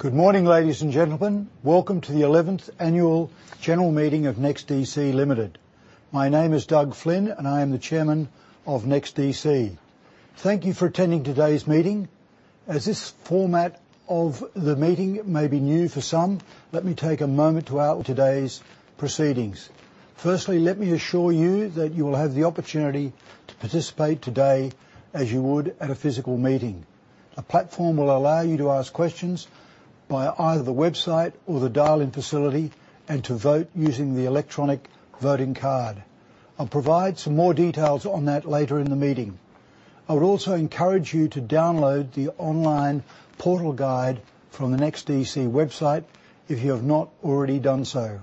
Good morning, ladies and gentlemen. Welcome to the eleventh annual general meeting of NEXTDC Limited. My name is Doug Flynn, and I am the Chairman of NEXTDC. Thank you for attending today's meeting. As this format of the meeting may be new for some, let me take a moment to outline today's proceedings. Firstly, let me assure you that you will have the opportunity to participate today as you would at a physical meeting. A platform will allow you to ask questions via either the website or the dial-in facility and to vote using the electronic voting card. I'll provide some more details on that later in the meeting. I would also encourage you to download the online portal guide from the NEXTDC website if you have not already done so.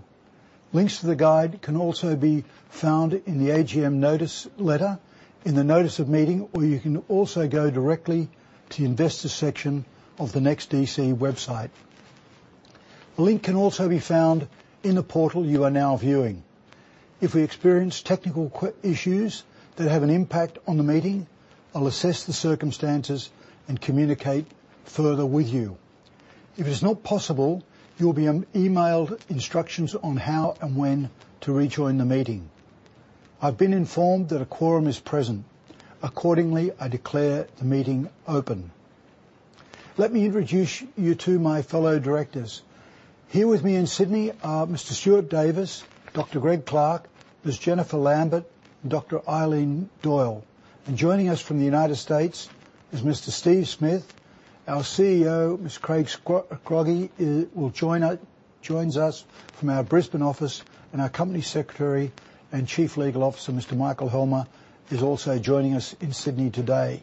Links to the guide can also be found in the AGM notice letter, in the notice of meeting, or you can also go directly to the investor section of the NEXTDC website. The link can also be found in the portal you are now viewing. If we experience technical issues that have an impact on the meeting, I'll assess the circumstances and communicate further with you. If it's not possible, you'll be emailed instructions on how and when to rejoin the meeting. I've been informed that a quorum is present. Accordingly, I declare the meeting open. Let me introduce you to my fellow directors. Here with me in Sydney are Mr Stuart Davis, Dr Greg Clark, Ms Jennifer Lambert, and Dr Eileen Doyle. Joining us from the United States is Mr Steve Smith. Our CEO, Mr Craig Scroggie, joins us from our Brisbane office. Our Company Secretary and Chief Legal Officer, Mr Michael Helmer, is also joining us in Sydney today.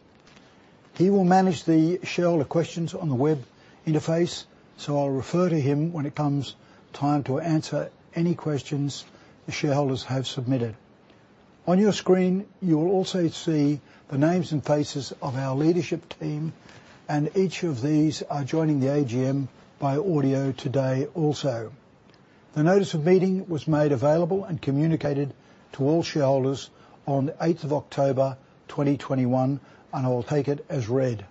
He will manage the shareholder questions on the web interface, so I'll refer to him when it comes time to answer any questions the shareholders have submitted. On your screen, you will also see the names and faces of our leadership team, and each of these are joining the AGM by audio today also. The notice of meeting was made available and communicated to all shareholders on the 8th of October, 2021, and I will take it as read.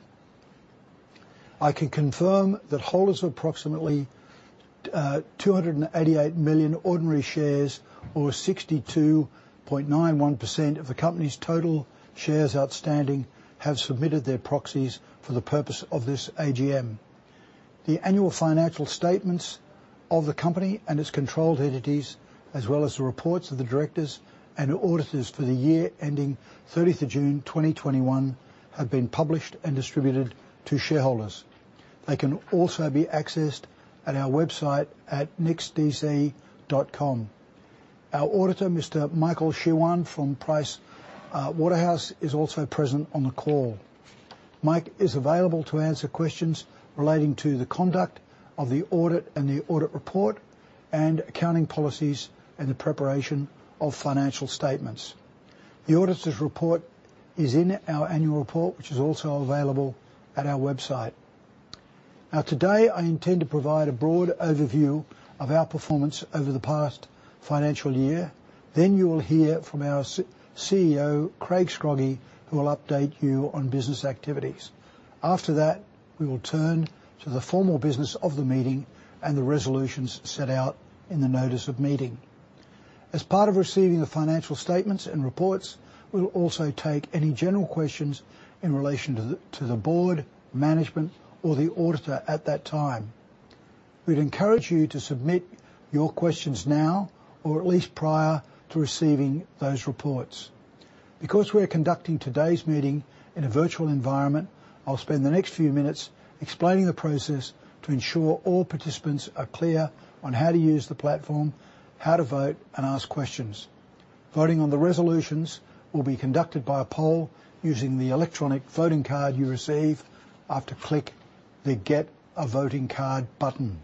I can confirm that holders of approximately 288 million ordinary shares, or 62.91% of the company's total shares outstanding, have submitted their proxies for the purpose of this AGM. The annual financial statements of the company and its controlled entities, as well as the reports of the directors and auditors for the year ending June 30, 2021, have been published and distributed to shareholders. They can also be accessed at our website at nextdc.com. Our auditor, Mr. Michael Shewan from PricewaterhouseCoopers, is also present on the call. Mike is available to answer questions relating to the conduct of the audit and the audit report and accounting policies and the preparation of financial statements. The auditor's report is in our annual report, which is also available at our website. Now today, I intend to provide a broad overview of our performance over the past financial year. Then you will hear from our CEO, Craig Scroggie, who will update you on business activities. After that, we will turn to the formal business of the meeting and the resolutions set out in the notice of meeting. As part of receiving the financial statements and reports, we will also take any general questions in relation to the board, management, or the auditor at that time. We'd encourage you to submit your questions now, or at least prior to receiving those reports. Because we are conducting today's meeting in a virtual environment, I'll spend the next few minutes explaining the process to ensure all participants are clear on how to use the platform, how to vote, and ask questions. Voting on the resolutions will be conducted by a poll using the electronic voting card you receive after clicking the Get a Voting Card button.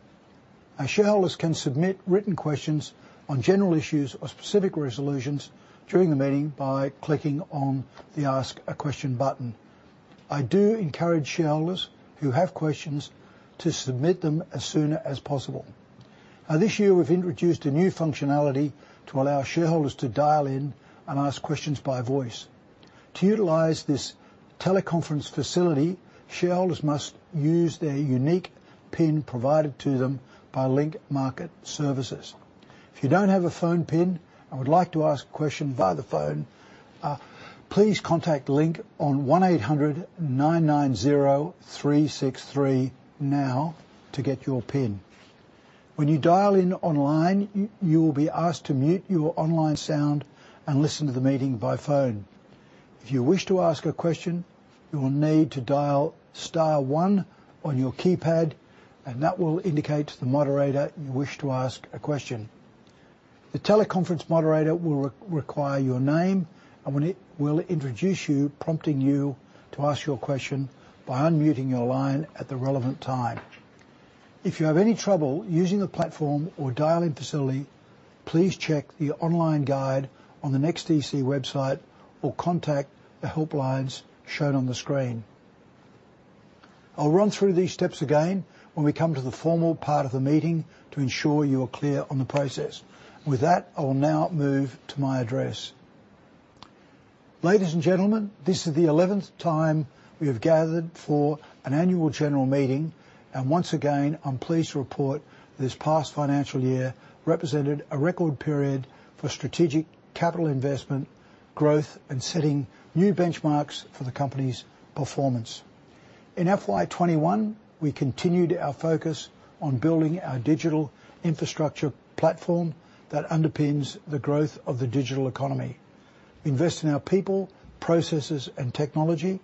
Our shareholders can submit written questions on general issues or specific resolutions during the meeting by clicking on the Ask a Question button. I do encourage shareholders who have questions to submit them as soon as possible. Now, this year we've introduced a new functionality to allow shareholders to dial in and ask questions by voice. To utilize this teleconference facility, shareholders must use their unique PIN provided to them by Link Market Services. If you don't have a phone PIN and would like to ask a question via the phone, please contact Link on 1-800-990-363 now to get your PIN. When you dial in online, you will be asked to mute your online sound and listen to the meeting by phone. If you wish to ask a question, you will need to dial star one on your keypad, and that will indicate to the moderator you wish to ask a question. The teleconference moderator will re-require your name and will introduce you, prompting you to ask your question by unmuting your line at the relevant time. If you have any trouble using the platform or dial-in facility, please check the online guide on the NEXTDC website or contact the helplines shown on the screen. I'll run through these steps again when we come to the formal part of the meeting to ensure you are clear on the process. With that, I will now move to my address. Ladies and gentlemen, this is the eleventh time we have gathered for an annual general meeting, and once again, I'm pleased to report this past financial year represented a record period for strategic capital investment, growth, and setting new benchmarks for the company's performance. In FY2021, we continued our focus on building our digital infrastructure platform that underpins the growth of the digital economy. We invest in our people, processes, and technology,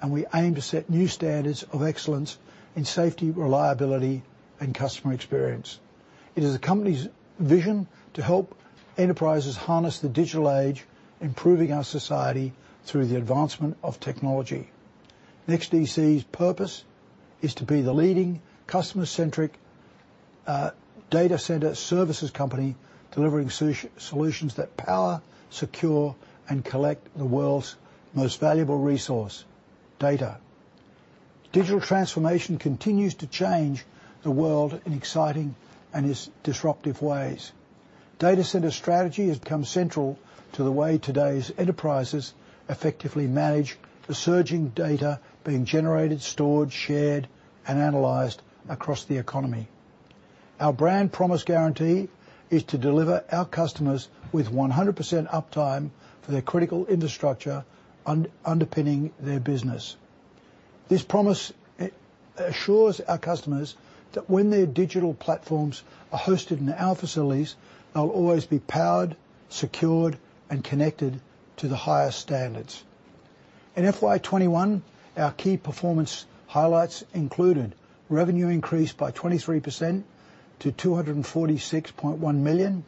and we aim to set new standards of excellence in safety, reliability, and customer experience. It is the company's vision to help enterprises harness the digital age, improving our society through the advancement of technology. NEXTDC's purpose is to be the leading customer-centric data center services company, delivering solutions that power, secure, and connect the world's most valuable resource, data. Digital transformation continues to change the world in exciting and disruptive ways. Data center strategy has become central to the way today's enterprises effectively manage the surging data being generated, stored, shared, and analyzed across the economy. Our brand promise guarantee is to deliver our customers with 100% uptime for their critical infrastructure underpinning their business. This promise assures our customers that when their digital platforms are hosted in our facilities, they'll always be powered, secured, and connected to the highest standards. In FY2021, our key performance highlights included revenue increased by 23% to 246.1 million,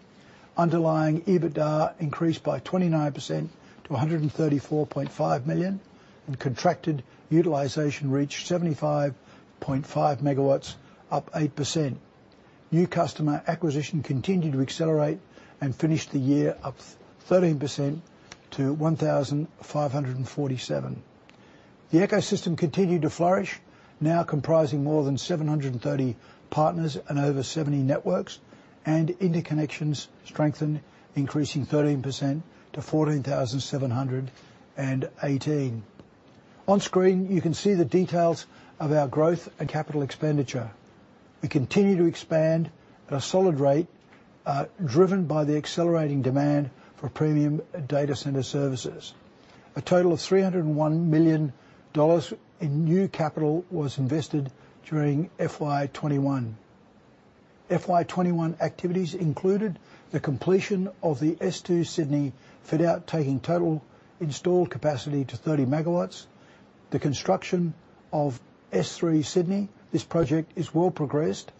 underlying EBITDA increased by 29% to 134.5 million, and contracted utilization reached 75.5 MW, up 8%. New customer acquisition continued to accelerate and finished the year up 13% to 1,547. The ecosystem continued to flourish, now comprising more than 730 partners and over 70 networks, and interconnections strengthened, increasing 13% to 14,718. On screen, you can see the details of our growth and capital expenditure. We continue to expand at a solid rate, driven by the accelerating demand for premium data center services. A total of 301 million dollars in new capital was invested during FY2021. FY2021 activities included the completion of the S2 Sydney fit-out, taking total installed capacity to 30 MW. The construction of S3 Sydney is well progressed.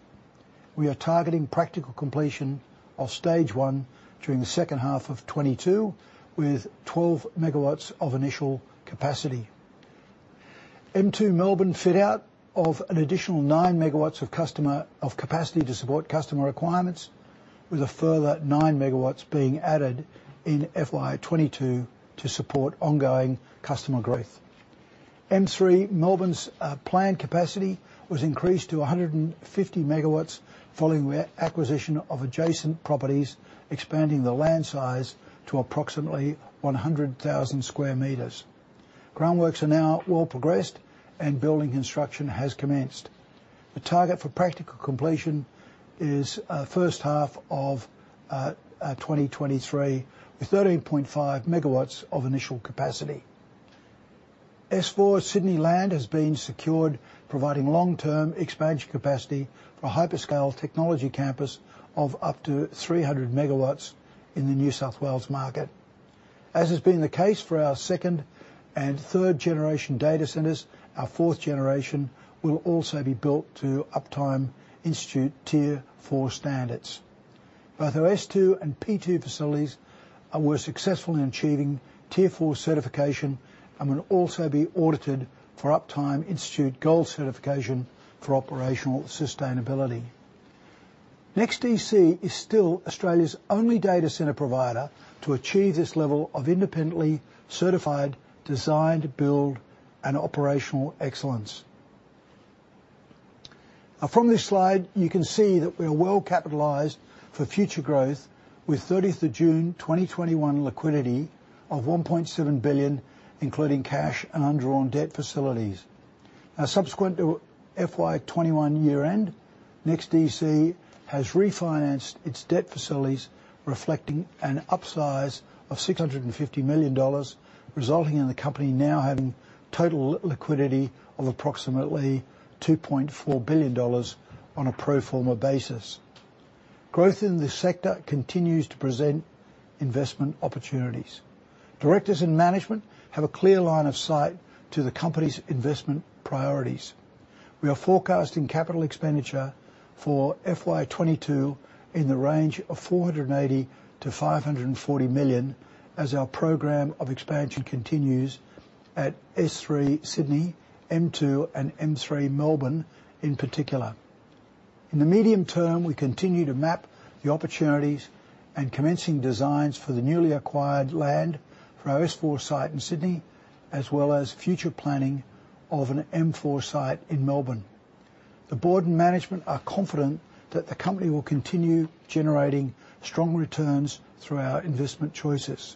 We are targeting practical completion of stage one during the H2 of 2022, with 12 MW of initial capacity. M2 Melbourne fit-out of an additional 9 MW of customer capacity to support customer requirements, with a further 9 MW being added in FY 2022 to support ongoing customer growth. M3 Melbourne's planned capacity was increased to 150 MW following the acquisition of adjacent properties, expanding the land size to approximately 100,000 sq m. Groundworks are now well progressed and building construction has commenced. The target for practical completion is first half of 2023, with 13.5 MW of initial capacity. S4 Sydney land has been secured, providing long-term expansion capacity for a hyperscale technology campus of up to 300 MW in the New South Wales market. As has been the case for our second and third generation data centers, our fourth generation will also be built to Uptime Institute Tier IV standards. Both our S2 and P2 facilities were successful in achieving Tier IV certification and will also be audited for Uptime Institute Gold certification for operational sustainability. NEXTDC is still Australia's only data center provider to achieve this level of independently certified design, build, and operational excellence. From this slide, you can see that we are well capitalized for future growth with June 30, 2021 liquidity of 1.7 billion, including cash and undrawn debt facilities. Subsequent to FY2021 year-end, NEXTDC has refinanced its debt facilities, reflecting an upsize of 650 million dollars, resulting in the company now having total liquidity of approximately 2.4 billion dollars on a pro forma basis. Growth in this sector continues to present investment opportunities. Directors and management have a clear line of sight to the company's investment priorities. We are forecasting capital expenditure for FY2022 in the range of 480 million-540 million as our program of expansion continues at S3 Sydney, M2, and M3 Melbourne in particular. In the medium term, we continue to map the opportunities and commencing designs for the newly acquired land for our S4 site in Sydney, as well as future planning of an M4 site in Melbourne. The board and management are confident that the company will continue generating strong returns through our investment choices.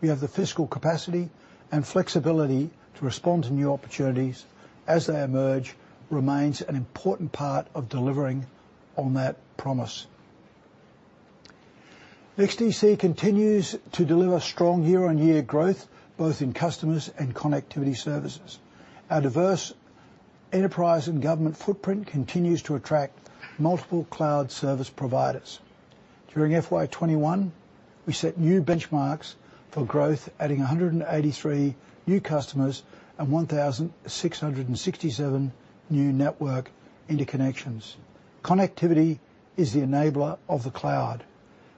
We have the fiscal capacity and flexibility to respond to new opportunities as they emerge remains an important part of delivering on that promise. NEXTDC continues to deliver strong year-on-year growth, both in customers and connectivity services. Our diverse enterprise and government footprint continues to attract multiple cloud service providers. During FY2021, we set new benchmarks for growth, adding 183 new customers and 1,667 new network interconnections. Connectivity is the enabler of the cloud.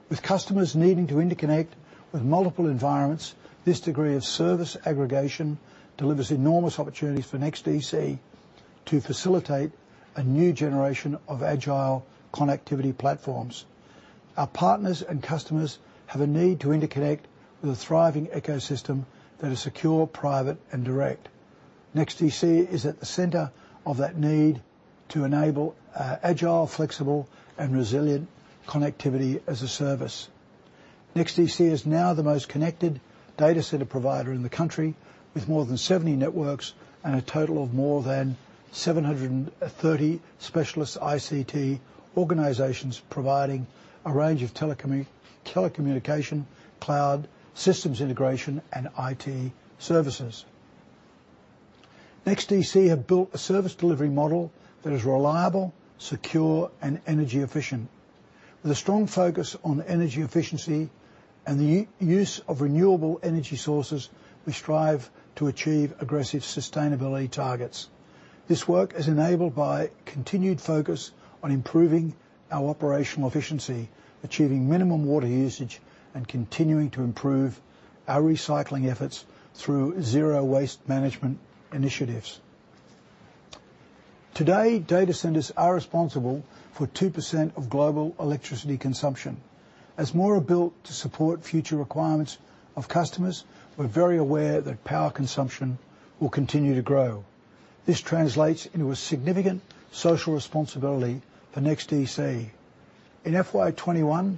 With customers needing to interconnect with multiple environments, this degree of service aggregation delivers enormous opportunities for NEXTDC to facilitate a new generation of agile connectivity platforms. Our partners and customers have a need to interconnect with a thriving ecosystem that is secure, private, and direct. NEXTDC is at the center of that need to enable agile, flexible, and resilient connectivity as a service. NEXTDC is now the most connected data center provider in the country with more than 70 networks and a total of more than 730 specialist ICT organizations providing a range of telecommunication, cloud, systems integration, and IT services. NEXTDC has built a service delivery model that is reliable, secure, and energy efficient. With a strong focus on energy efficiency and the use of renewable energy sources, we strive to achieve aggressive sustainability targets. This work is enabled by continued focus on improving our operational efficiency, achieving minimum water usage, and continuing to improve our recycling efforts through zero waste management initiatives. Today, data centers are responsible for 2% of global electricity consumption. As more are built to support future requirements of customers, we're very aware that power consumption will continue to grow. This translates into a significant social responsibility for NEXTDC. In FY2021,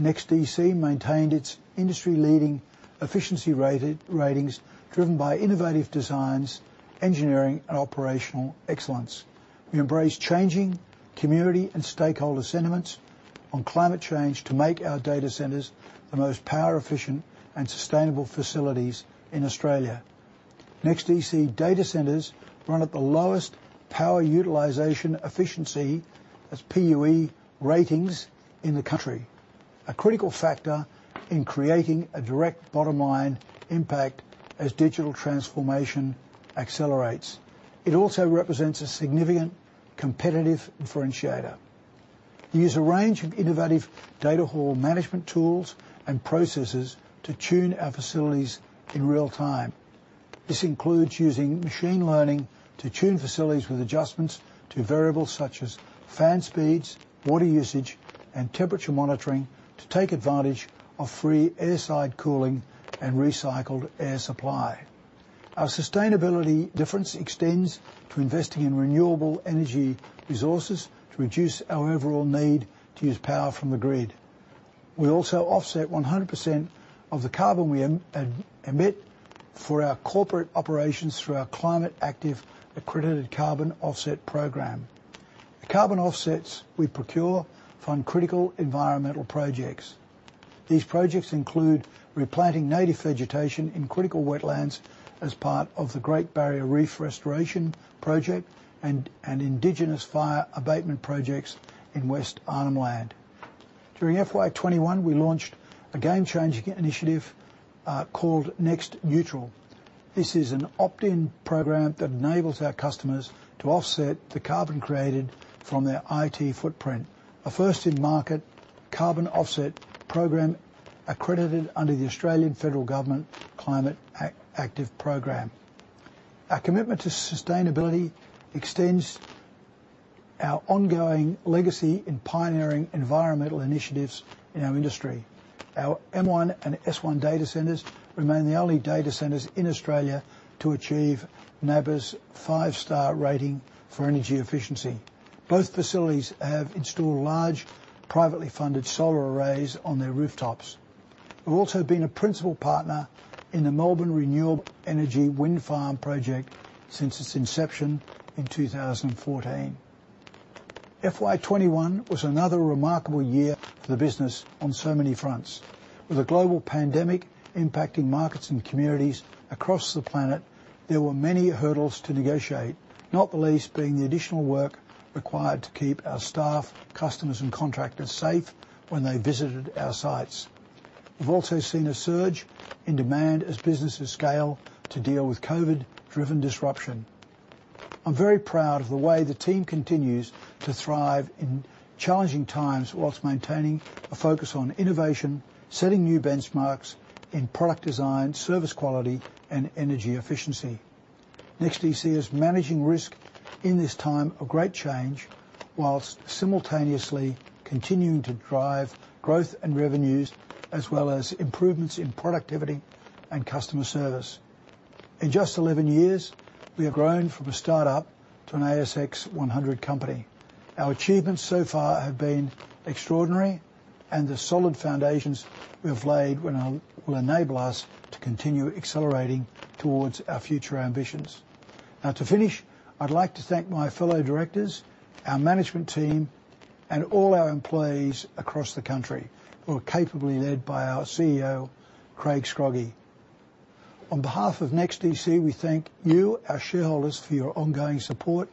NEXTDC maintained its industry-leading efficiency ratings driven by innovative designs, engineering, and operational excellence. We embrace changing community and stakeholder sentiments on climate change to make our data centers the most power efficient and sustainable facilities in Australia. NEXTDC data centers run at the lowest power utilization efficiency, as PUE ratings, in the country, a critical factor in creating a direct bottom line impact as digital transformation accelerates. It also represents a significant competitive differentiator. We use a range of innovative data hall management tools and processes to tune our facilities in real time. This includes using machine learning to tune facilities with adjustments to variables such as fan speeds, water usage, and temperature monitoring to take advantage of free airside cooling and recycled air supply. Our sustainability difference extends to investing in renewable energy resources to reduce our overall need to use power from the grid. We also offset 100% of the carbon we emit for our corporate operations through our Climate Active accredited carbon offset program. The carbon offsets we procure fund critical environmental projects. These projects include replanting native vegetation in critical wetlands as part of the Great Barrier Reef Restoration Project and indigenous fire abatement projects in West Arnhem Land. During FY2021, we launched a game-changing initiative called NEXTneutral. This is an opt-in program that enables our customers to offset the carbon created from their IT footprint, a first-in-market carbon offset program accredited under the Australian Federal Government Climate Active Program. Our commitment to sustainability extends our ongoing legacy in pioneering environmental initiatives in our industry. Our M1 and S1 data centers remain the only data centers in Australia to achieve NABERS five-star rating for energy efficiency. Both facilities have installed large, privately funded solar arrays on their rooftops. We've also been a principal partner in the Melbourne Renewable Energy Project since its inception in 2014. FY2021 was another remarkable year for the business on so many fronts. With a global pandemic impacting markets and communities across the planet, there were many hurdles to negotiate, not the least being the additional work required to keep our staff, customers, and contractors safe when they visited our sites. We've also seen a surge in demand as businesses scale to deal with COVID-driven disruption. I'm very proud of the way the team continues to thrive in challenging times while maintaining a focus on innovation, setting new benchmarks in product design, service quality, and energy efficiency. NEXTDC is managing risk in this time of great change while simultaneously continuing to drive growth and revenues as well as improvements in productivity and customer service. In just 11 years, we have grown from a startup to an ASX 100 company. Our achievements so far have been extraordinary, and the solid foundations we have laid will enable us to continue accelerating towards our future ambitions. Now, to finish, I'd like to thank my fellow directors, our management team, and all our employees across the country, who are capably led by our CEO, Craig Scroggie. On behalf of NEXTDC, we thank you, our shareholders, for your ongoing support.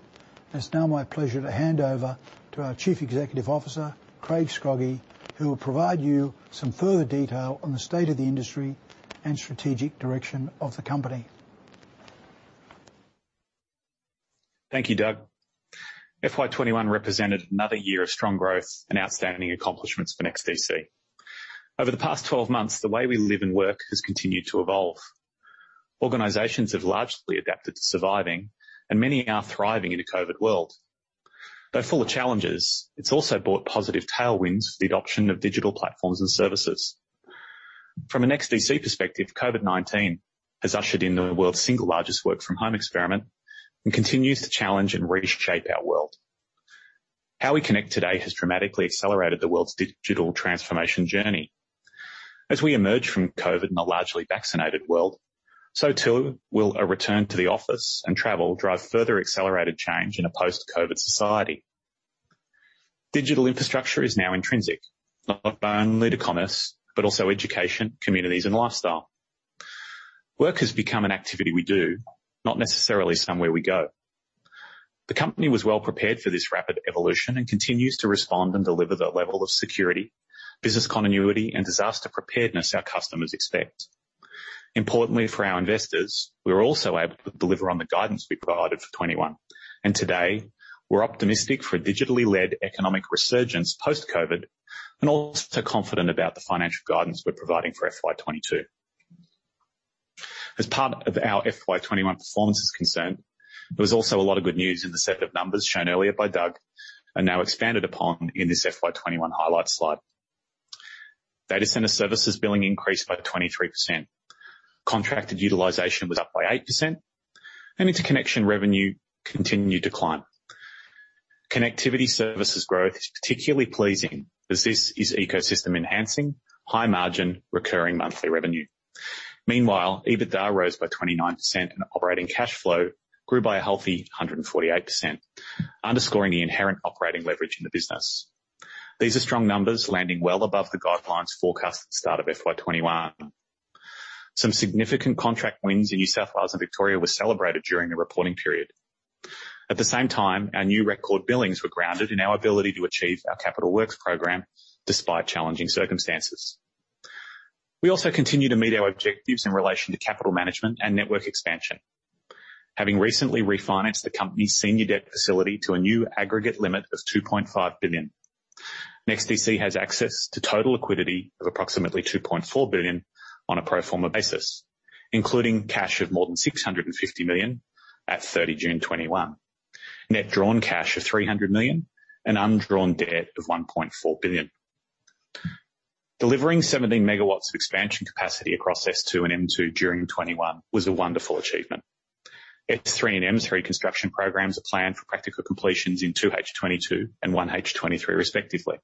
It's now my pleasure to hand over to our Chief Executive Officer, Craig Scroggie, who will provide you some further detail on the state of the industry and strategic direction of the company. Thank you, Doug. FY2021 represented another year of strong growth and outstanding accomplishments for NEXTDC. Over the past 12 months, the way we live and work has continued to evolve. Organizations have largely adapted to surviving, and many are thriving in a COVID-19 world. Though full of challenges, it's also brought positive tailwinds to the adoption of digital platforms and services. From a NEXTDC perspective, COVID-19 has ushered in the world's single largest work-from-home experiment and continues to challenge and reshape our world. How we connect today has dramatically accelerated the world's digital transformation journey. As we emerge from COVID-19 in a largely vaccinated world, so too will a return to the office and travel drive further accelerated change in a post-COVID society. Digital infrastructure is now intrinsic, not only to commerce, but also education, communities, and lifestyle. Work has become an activity we do, not necessarily somewhere we go. The company was well-prepared for this rapid evolution and continues to respond and deliver the level of security, business continuity, and disaster preparedness our customers expect. Importantly for our investors, we were also able to deliver on the guidance we provided for 2021. Today, we're optimistic for a digitally led economic resurgence post-COVID, and also confident about the financial guidance we're providing for FY2022. As far as our FY2021 performance is concerned, there was also a lot of good news in the set of numbers shown earlier by Doug, and now expanded upon in this FY2021 highlight slide. Data center services billing increased by 23%. Contracted utilization was up by 8%. Interconnection revenue continued to climb. Connectivity services growth is particularly pleasing as this is ecosystem enhancing, high margin, recurring monthly revenue. Meanwhile, EBITDA rose by 29%, and operating cash flow grew by a healthy 148%, underscoring the inherent operating leverage in the business. These are strong numbers landing well above the guidelines forecast at the start of FY2021. Some significant contract wins in New South Wales and Victoria were celebrated during the reporting period. At the same time, our new record billings were grounded in our ability to achieve our capital works program despite challenging circumstances. We also continue to meet our objectives in relation to capital management and network expansion. Having recently refinanced the company's senior debt facility to a new aggregate limit of 2.5 billion. NEXTDC has access to total liquidity of approximately 2.4 billion on a pro forma basis, including cash of more than 650 million at June 30, 2021. Net drawn cash of 300 million and undrawn debt of 1.4 billion. Delivering 17 MW of expansion capacity across S2 and M2 during 2021 was a wonderful achievement. S3 and M3 construction programs are planned for practical completions in 2H 2022 and H1 2023 respectively.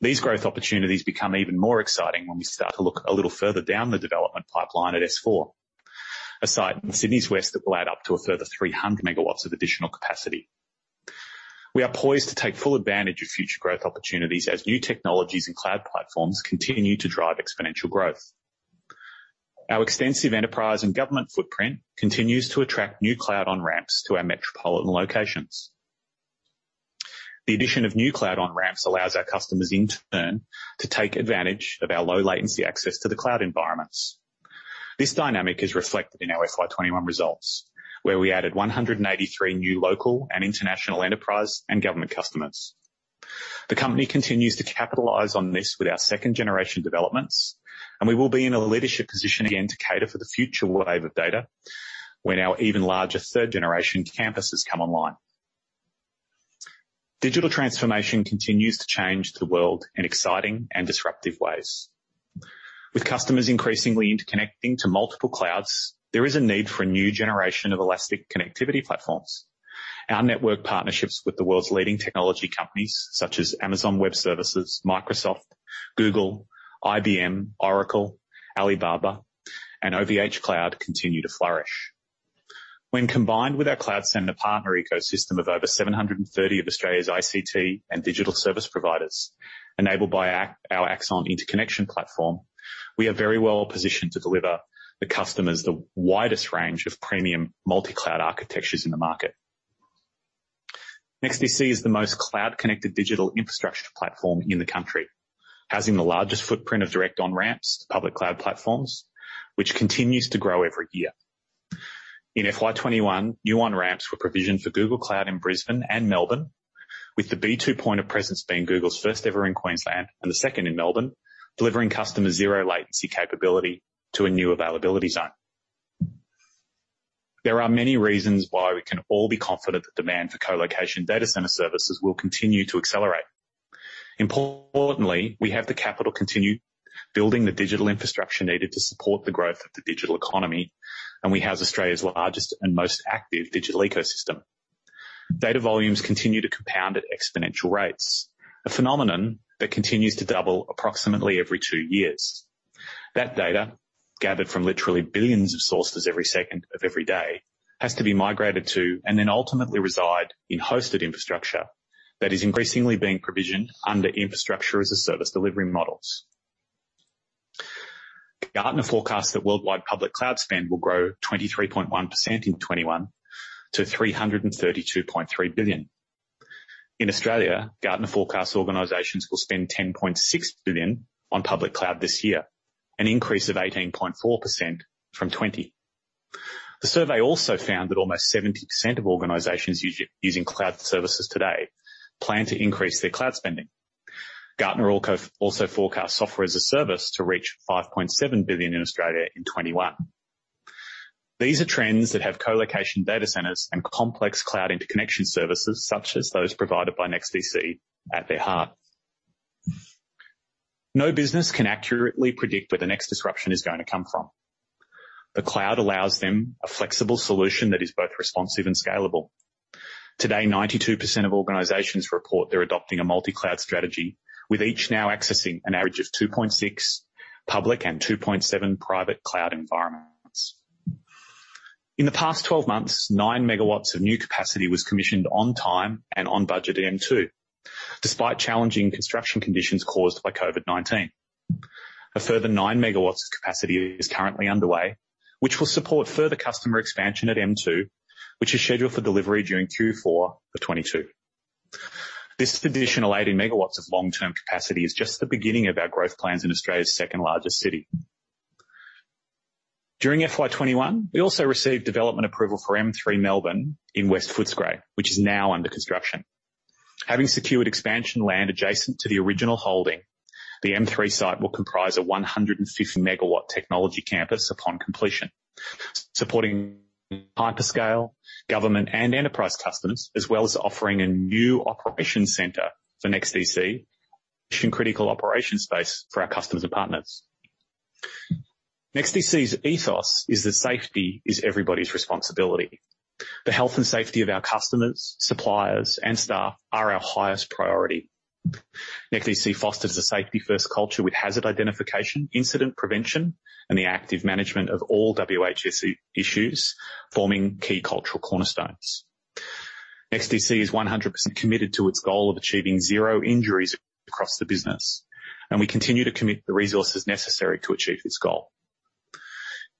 These growth opportunities become even more exciting when we start to look a little further down the development pipeline at S4, a site in Sydney's west that will add up to a further 300 MW of additional capacity. We are poised to take full advantage of future growth opportunities as new technologies and cloud platforms continue to drive exponential growth. Our extensive enterprise and government footprint continues to attract new cloud on-ramps to our metropolitan locations. The addition of new cloud on-ramps allows our customers, in turn, to take advantage of our low latency access to the cloud environments. This dynamic is reflected in our FY2021 results, where we added 183 new local and international enterprise and government customers. The company continues to capitalize on this with our second generation developments, and we will be in a leadership position again to cater for the future wave of data when our even larger third generation campuses come online. Digital transformation continues to change the world in exciting and disruptive ways. With customers increasingly interconnecting to multiple clouds, there is a need for a new generation of elastic connectivity platforms. Our network partnerships with the world's leading technology companies such as Amazon Web Services, Microsoft, Google, IBM, Oracle, Alibaba, and OVHcloud continue to flourish. When combined with our cloud center partner ecosystem of over 730 of Australia's ICT and digital service providers, enabled by our AXON interconnection platform, we are very well positioned to deliver the customers the widest range of premium multi-cloud architectures in the market. NEXTDC is the most cloud-connected digital infrastructure platform in the country, housing the largest footprint of direct on-ramps to public cloud platforms, which continues to grow every year. In FY2021, new on-ramps were provisioned for Google Cloud in Brisbane and Melbourne, with the B2 point of presence being Google's first ever in Queensland and the second in Melbourne, delivering customers 0 latency capability to a new availability zone. There are many reasons why we can all be confident that demand for colocation data center services will continue to accelerate. Importantly, we have the capital to continue building the digital infrastructure needed to support the growth of the digital economy, and we house Australia's largest and most active digital ecosystem. Data volumes continue to compound at exponential rates, a phenomenon that continues to double approximately every two years. That data, gathered from literally billions of sources every second of every day, has to be migrated to and then ultimately reside in hosted infrastructure that is increasingly being provisioned under infrastructure as a service delivery models. Gartner forecasts that worldwide public cloud spend will grow 23.1% in 2021 to $332.3 billion. In Australia, Gartner forecasts organizations will spend AUD 10.6 billion on public cloud this year, an increase of 18.4% from 2020. The survey also found that almost 70% of organizations using cloud services today plan to increase their cloud spending. Gartner also forecasts software as a service to reach 5.7 billion in Australia in 2021. These are trends that have colocation data centers and complex cloud interconnection services such as those provided by NEXTDC at their heart. No business can accurately predict where the next disruption is going to come from. The cloud allows them a flexible solution that is both responsive and scalable. Today, 92% of organizations report they're adopting a multi-cloud strategy, with each now accessing an average of 2.6 public and 2.7 private cloud environments. In the past 12 months, 9 MW of new capacity was commissioned on time and on budget in M2, despite challenging construction conditions caused by COVID-19. A further 9 MW of capacity is currently underway, which will support further customer expansion at M2, which is scheduled for delivery during Q4 2022. This additional 80 MW of long-term capacity is just the beginning of our growth plans in Australia's second-largest city. During FY2021, we also received development approval for M3 Melbourne in West Footscray, which is now under construction. Having secured expansion land adjacent to the original holding, the M3 site will comprise a 150 MW technology campus upon completion, supporting hyperscale, government, and enterprise customers, as well as offering a new operations center for NEXTDC mission-critical operation space for our customers and partners. NEXTDC's ethos is that safety is everybody's responsibility. The health and safety of our customers, suppliers, and staff are our highest priority. NEXTDC fosters a safety-first culture with hazard identification, incident prevention, and the active management of all WHS issues forming key cultural cornerstones. NEXTDC is 100% committed to its goal of achieving zero injuries across the business, and we continue to commit the resources necessary to achieve this goal.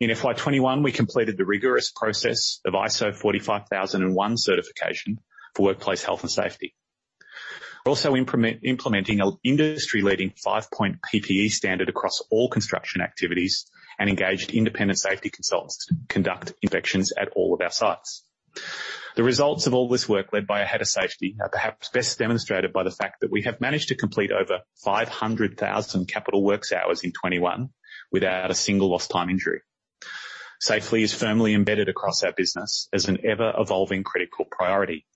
In FY 2021, we completed the rigorous process of ISO 45001 certification for workplace health and safety. We're also implementing an industry-leading five-point PPE standard across all construction activities and engaged independent safety consultants to conduct inspections at all of our sites. The results of all this work, led by our head of safety, are perhaps best demonstrated by the fact that we have managed to complete over 500,000 capital works hours in 2021 without a single lost time injury. Safety is firmly embedded across our business as an ever-evolving critical priority.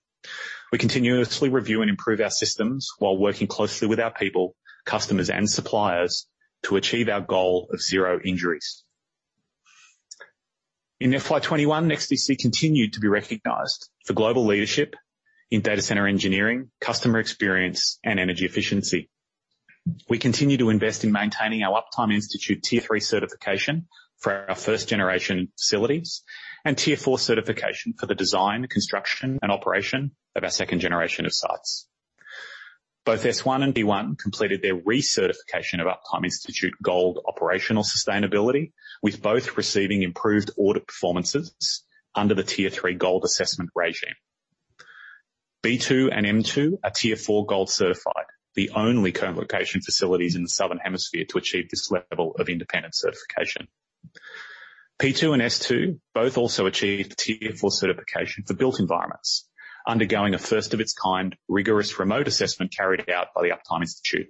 We continuously review and improve our systems while working closely with our people, customers, and suppliers to achieve our goal of zero injuries. In FY2021, NEXTDC continued to be recognized for global leadership in data center engineering, customer experience, and energy efficiency. We continue to invest in maintaining our Uptime Institute Tier 3 certification for our first-generation facilities and Tier 4 certification for the design, construction, and operation of our second generation of sites. Both S1 and B1 completed their recertification of Uptime Institute Gold Operational Sustainability, with both receiving improved audit performances under the Tier 3 Gold assessment regime. B2 and M2 are Tier Four Gold certified, the only colocation facilities in the Southern Hemisphere to achieve this level of independent certification. P2 and S2 both also achieved Tier Four certification for built environments, undergoing a first-of-its-kind rigorous remote assessment carried out by the Uptime Institute.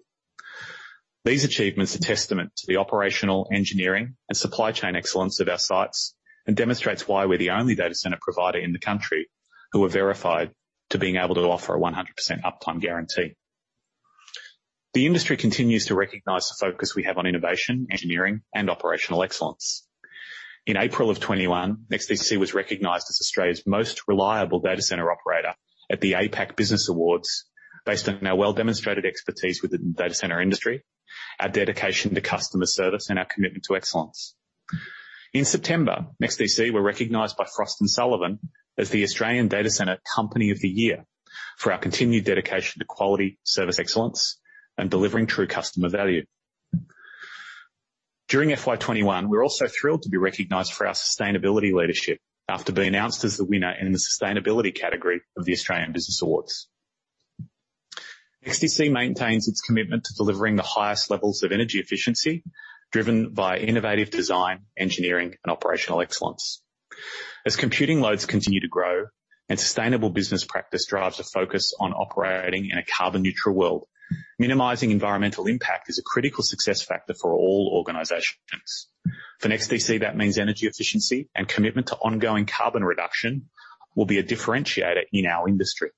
These achievements are testament to the operational, engineering, and supply chain excellence of our sites and demonstrates why we're the only data center provider in the country who are verified to being able to offer a 100% uptime guarantee. The industry continues to recognize the focus we have on innovation, engineering, and operational excellence. In April of 2021, NEXTDC was recognized as Australia's most reliable data center operator at the APAC Business Awards based on our well-demonstrated expertise within the data center industry, our dedication to customer service, and our commitment to excellence. In September, NEXTDC were recognized by Frost & Sullivan as the Australian Data Center Company of the Year for our continued dedication to quality, service excellence, and delivering true customer value. During FY2021, we were also thrilled to be recognized for our sustainability leadership after being announced as the winner in the sustainability category of the Australian Business Awards. NEXTDC maintains its commitment to delivering the highest levels of energy efficiency driven by innovative design, engineering, and operational excellence. As computing loads continue to grow. Sustainable business practice drives a focus on operating in a carbon neutral world. Minimizing environmental impact is a critical success factor for all organizations. For NEXTDC, that means energy efficiency and commitment to ongoing carbon reduction will be a differentiator in our industry.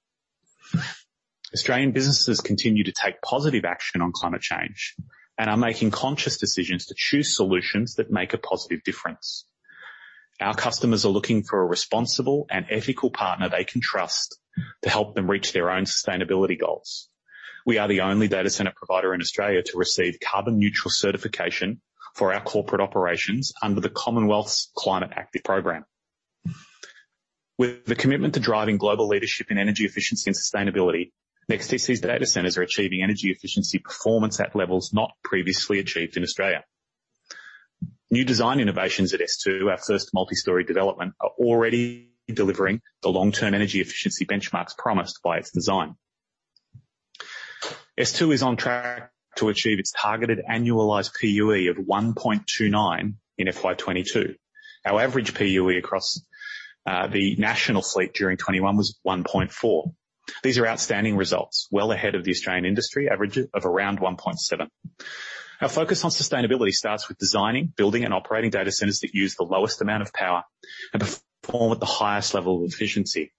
Australian businesses continue to take positive action on climate change and are making conscious decisions to choose solutions that make a positive difference. Our customers are looking for a responsible and ethical partner they can trust to help them reach their own sustainability goals. We are the only data center provider in Australia to receive carbon neutral certification for our corporate operations under the Commonwealth's Climate Active program. With the commitment to driving global leadership in energy efficiency and sustainability, NEXTDC's data centers are achieving energy efficiency performance at levels not previously achieved in Australia. New design innovations at S2, our first multi-story development, are already delivering the long-term energy efficiency benchmarks promised by its design. S2 is on track to achieve its targeted annualized PUE of 1.29 in FY2022. Our average PUE across the national fleet during 2021 was 1.4. These are outstanding results, well ahead of the Australian industry average of around 1.7. Our focus on sustainability starts with designing, building and operating data centers that use the lowest amount of power and perform at the highest level of efficiency.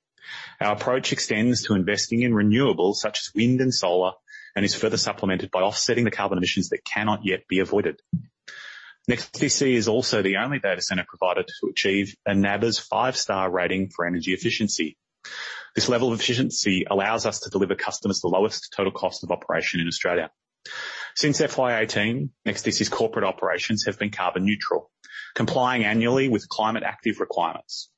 Our approach extends to investing in renewables such as wind and solar, and is further supplemented by offsetting the carbon emissions that cannot yet be avoided. NEXTDC is also the only data center provider to achieve a NABERS five-star rating for energy efficiency. This level of efficiency allows us to deliver customers the lowest total cost of operation in Australia. Since FY2018, NEXTDC's corporate operations have been carbon neutral, complying annually with Climate Active requirements.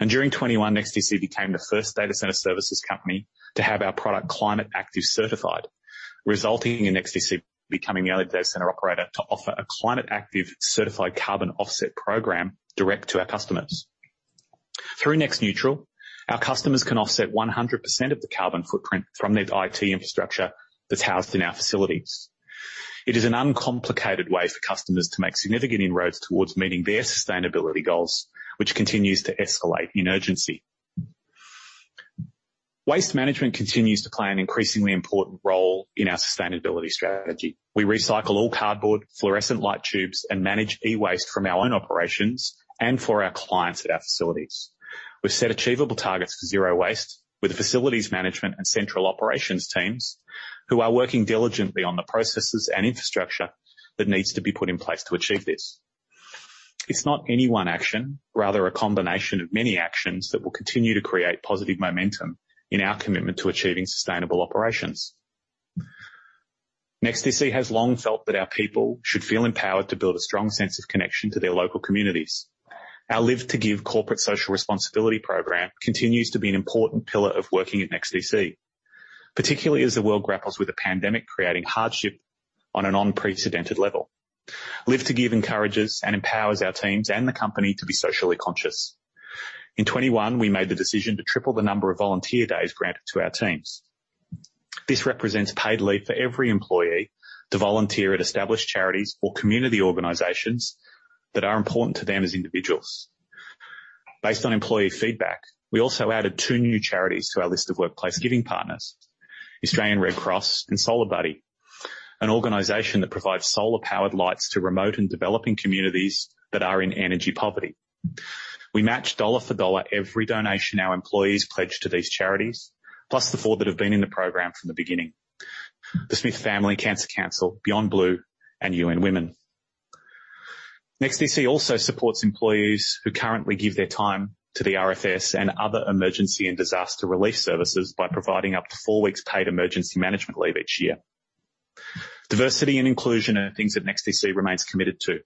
During 2021, NEXTDC became the first data center services company to have our product Climate Active certified, resulting in NEXTDC becoming the only data center operator to offer a Climate Active certified carbon offset program direct to our customers. Through NEXTneutral, our customers can offset 100% of the carbon footprint from their IT infrastructure that's housed in our facilities. It is an uncomplicated way for customers to make significant inroads towards meeting their sustainability goals, which continues to escalate in urgency. Waste management continues to play an increasingly important role in our sustainability strategy. We recycle all cardboard, fluorescent light tubes, and manage e-waste from our own operations and for our clients at our facilities. We've set achievable targets for zero waste with the facilities management and central operations teams who are working diligently on the processes and infrastructure that needs to be put in place to achieve this. It's not any one action, rather a combination of many actions that will continue to create positive momentum in our commitment to achieving sustainable operations. NEXTDC has long felt that our people should feel empowered to build a strong sense of connection to their local communities. Our Live to Give corporate social responsibility program continues to be an important pillar of working at NEXTDC, particularly as the world grapples with a pandemic, creating hardship on an unprecedented level. Live to Give encourages and empowers our teams and the company to be socially conscious. In 2021, we made the decision to triple the number of volunteer days granted to our teams. This represents paid leave for every employee to volunteer at established charities or community organizations that are important to them as individuals. Based on employee feedback, we also added two new charities to our list of workplace giving partners, Australian Red Cross and SolarBuddy, an organization that provides solar-powered lights to remote and developing communities that are in energy poverty. We match dollar for dollar every donation our employees pledge to these charities, plus the four that have been in the program from the beginning: The Smith Family, Cancer Council, Beyond Blue, and UN Women. NEXTDC also supports employees who currently give their time to the RFS and other emergency and disaster relief services by providing up to four weeks paid emergency management leave each year. Diversity and inclusion are things that NEXTDC remains committed to.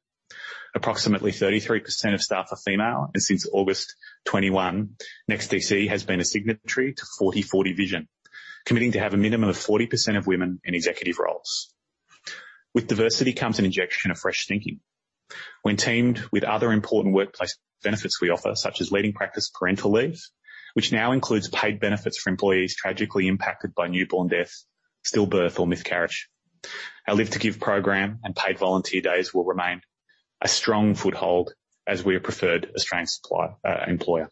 Approximately 33% of staff are female, and since August 2021, NEXTDC has been a signatory to 40:40 Vision, committing to have a minimum of 40% of women in executive roles. With diversity comes an injection of fresh thinking. When teamed with other important workplace benefits we offer, such as leading practice parental leave, which now includes paid benefits for employees tragically impacted by newborn death, stillbirth or miscarriage. Our Live to Give program and paid volunteer days will remain a strong foothold as we are preferred Australian employer.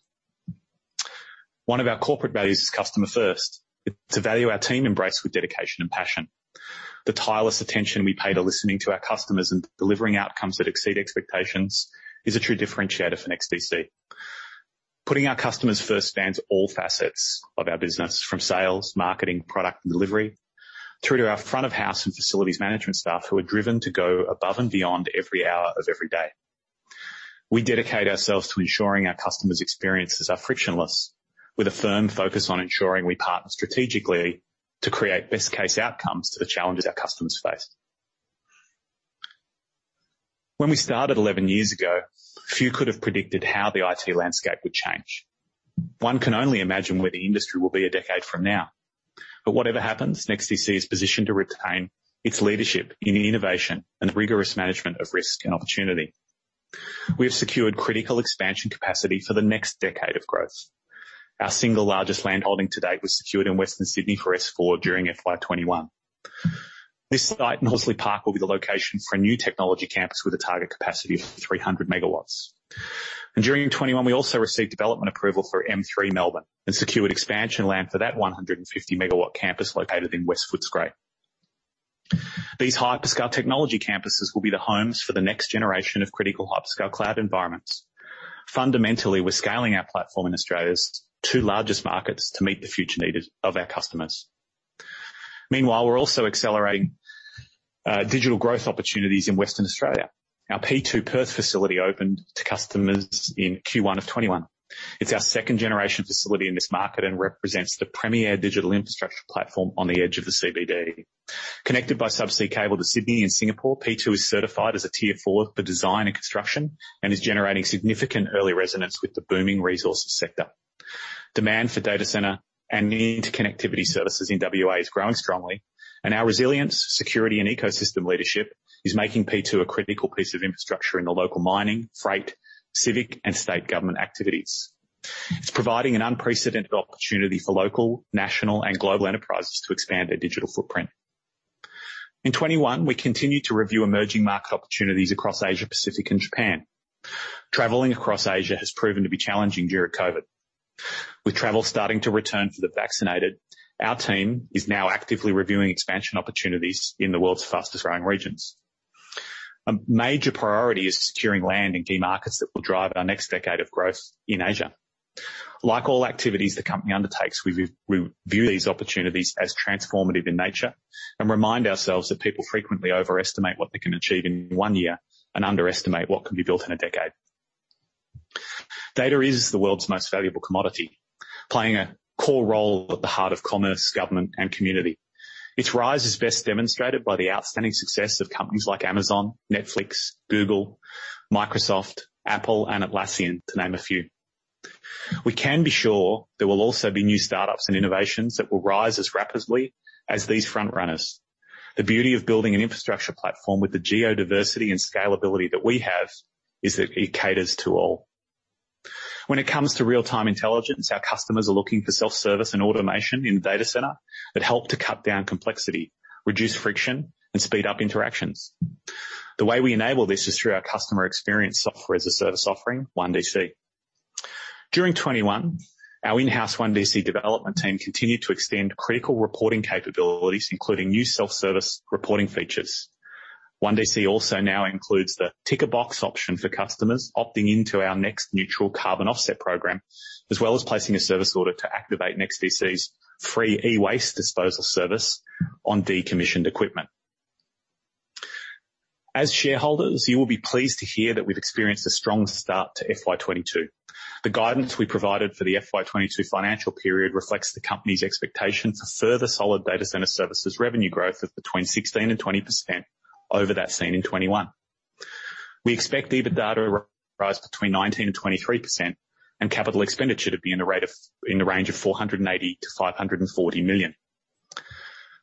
One of our corporate values is customer first. It's a value our team embrace with dedication and passion. The tireless attention we pay to listening to our customers and delivering outcomes that exceed expectations is a true differentiator for NEXTDC. Putting our customers first spans all facets of our business, from sales, marketing, product and delivery, through to our front of house and facilities management staff who are driven to go above and beyond every hour of every day. We dedicate ourselves to ensuring our customers' experiences are frictionless, with a firm focus on ensuring we partner strategically to create best-case outcomes to the challenges our customers face. When we started 11 years ago, few could have predicted how the IT landscape would change. One can only imagine where the industry will be a decade from now. Whatever happens, NEXTDC is positioned to retain its leadership in innovation and the rigorous management of risk and opportunity. We have secured critical expansion capacity for the next decade of growth. Our single largest land holding to date was secured in Western Sydney for S4 during FY2021. This site in Horsley Park will be the location for a new technology campus with a target capacity of 300 MW. During 2021, we also received development approval for M3 Melbourne and secured expansion land for that 150 MW campus located in West Footscray. These hyperscale technology campuses will be the homes for the next generation of critical hyperscale cloud environments. Fundamentally, we're scaling our platform in Australia's two largest markets to meet the future needs of our customers. Meanwhile, we're also accelerating digital growth opportunities in Western Australia. Our P2 Perth facility opened to customers in Q1 2021. It's our second-generation facility in this market and represents the premier digital infrastructure platform on the edge of the CBD. Connected by subsea cable to Sydney and Singapore, P2 is certified as a Tier IV for design and construction and is generating significant early resonance with the booming resources sector. Demand for data center and interconnectivity services in WA is growing strongly, and our resilience, security, and ecosystem leadership is making P2 a critical piece of infrastructure in the local mining, freight, civic, and state government activities. It's providing an unprecedented opportunity for local, national, and global enterprises to expand their digital footprint. In 2021, we continued to review emerging market opportunities across Asia-Pacific and Japan. Traveling across Asia has proven to be challenging during COVID-19. With travel starting to return for the vaccinated, our team is now actively reviewing expansion opportunities in the world's fastest-growing regions. A major priority is securing land in key markets that will drive our next decade of growth in Asia. Like all activities the company undertakes, we view these opportunities as transformative in nature and remind ourselves that people frequently overestimate what they can achieve in one year and underestimate what can be built in a decade. Data is the world's most valuable commodity, playing a core role at the heart of commerce, government, and community. Its rise is best demonstrated by the outstanding success of companies like Amazon, Netflix, Google, Microsoft, Apple, and Atlassian, to name a few. We can be sure there will also be new startups and innovations that will rise as rapidly as these front runners. The beauty of building an infrastructure platform with the geodiversity and scalability that we have is that it caters to all. When it comes to real-time intelligence, our customers are looking for self-service and automation in data centers that help to cut down complexity, reduce friction, and speed up interactions. The way we enable this is through our customer experience software-as-a-service offering, ONEDC. During 2021, our in-house ONEDC development team continued to extend critical reporting capabilities, including new self-service reporting features. ONEDC also now includes the tick-a-box option for customers opting into our NEXTneutral carbon offset program, as well as placing a service order to activate NEXTDC's free e-waste disposal service on decommissioned equipment. As shareholders, you will be pleased to hear that we've experienced a strong start to FY2022. The guidance we provided for the FY 2022 financial period reflects the company's expectation for further solid data center services revenue growth of between 16% and 20% over that seen in 2021. We expect EBITDA to rise between 19%-23% and capital expenditure to be in a rate of, in the range of 480 million-540 million.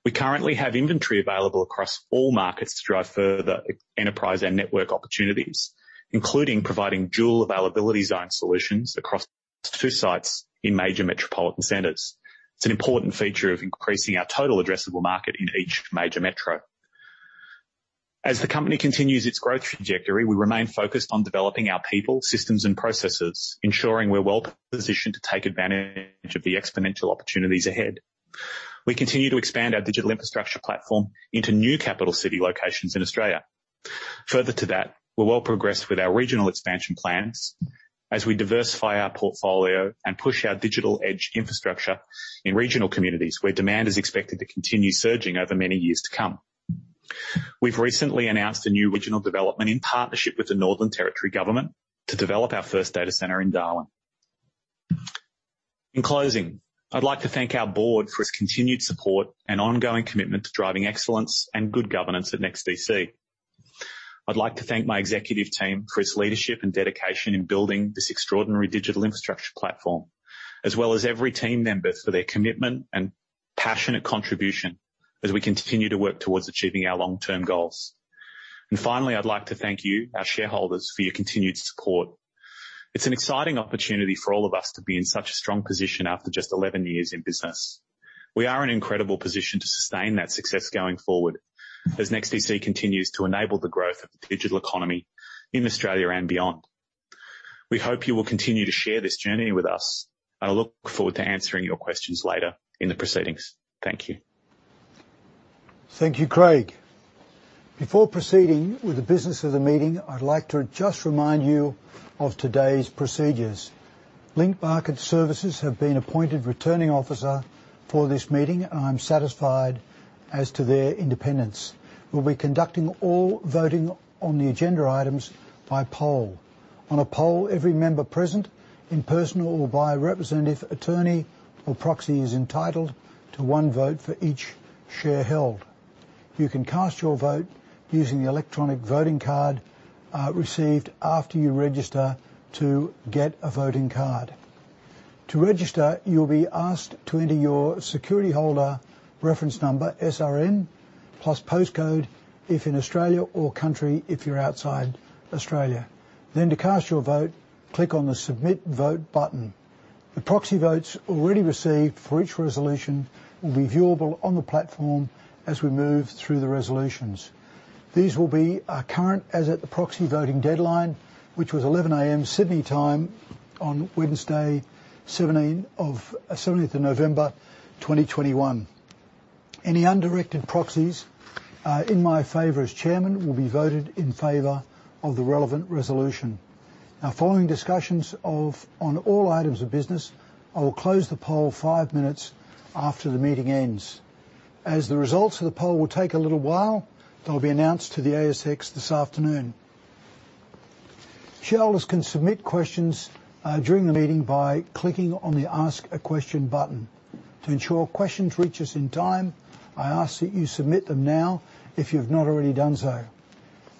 We currently have inventory available across all markets to drive further enterprise and network opportunities, including providing dual availability zone solutions across two sites in major metropolitan centers. It's an important feature of increasing our total addressable market in each major metro. As the company continues its growth trajectory, we remain focused on developing our people, systems, and processes, ensuring we're well-positioned to take advantage of the exponential opportunities ahead. We continue to expand our digital infrastructure platform into new capital city locations in Australia. Further to that, we're well progressed with our regional expansion plans as we diversify our portfolio and push our digital edge infrastructure in regional communities where demand is expected to continue surging over many years to come. We've recently announced a new regional development in partnership with the Northern Territory government to develop our first data center in Darwin. In closing, I'd like to thank our board for its continued support and ongoing commitment to driving excellence and good governance at NEXTDC. I'd like to thank my executive team for its leadership and dedication in building this extraordinary digital infrastructure platform, as well as every team member for their commitment and passionate contribution as we continue to work towards achieving our long-term goals. Finally, I'd like to thank you, our shareholders, for your continued support. It's an exciting opportunity for all of us to be in such a strong position after just 11 years in business. We are in an incredible position to sustain that success going forward as NEXTDC continues to enable the growth of the digital economy in Australia and beyond. We hope you will continue to share this journey with us. I look forward to answering your questions later in the proceedings. Thank you. Thank you, Craig. Before proceeding with the business of the meeting, I'd like to just remind you of today's procedures. Link Market Services have been appointed Returning Officer for this meeting. I'm satisfied as to their independence. We'll be conducting all voting on the agenda items by poll. On a poll, every member present, in person or by a representative attorney or proxy, is entitled to one vote for each share held. You can cast your vote using the electronic voting card received after you register to get a voting card. To register, you'll be asked to enter your security holder reference number, SRN, plus postcode if in Australia or country if you're outside Australia. Then to cast your vote, click on the Submit Vote button. The proxy votes already received for each resolution will be viewable on the platform as we move through the resolutions. These will be current as at the proxy voting deadline, which was 11:00 AM. Sydney time on Wednesday, seventeenth of November 2021. Any undirected proxies in my favor as chairman will be voted in favor of the relevant resolution. Now, following discussions on all items of business, I will close the poll 5 minutes after the meeting ends. As the results of the poll will take a little while, they'll be announced to the ASX this afternoon. Shareholders can submit questions during the meeting by clicking on the Ask a Question button. To ensure questions reach us in time, I ask that you submit them now if you have not already done so.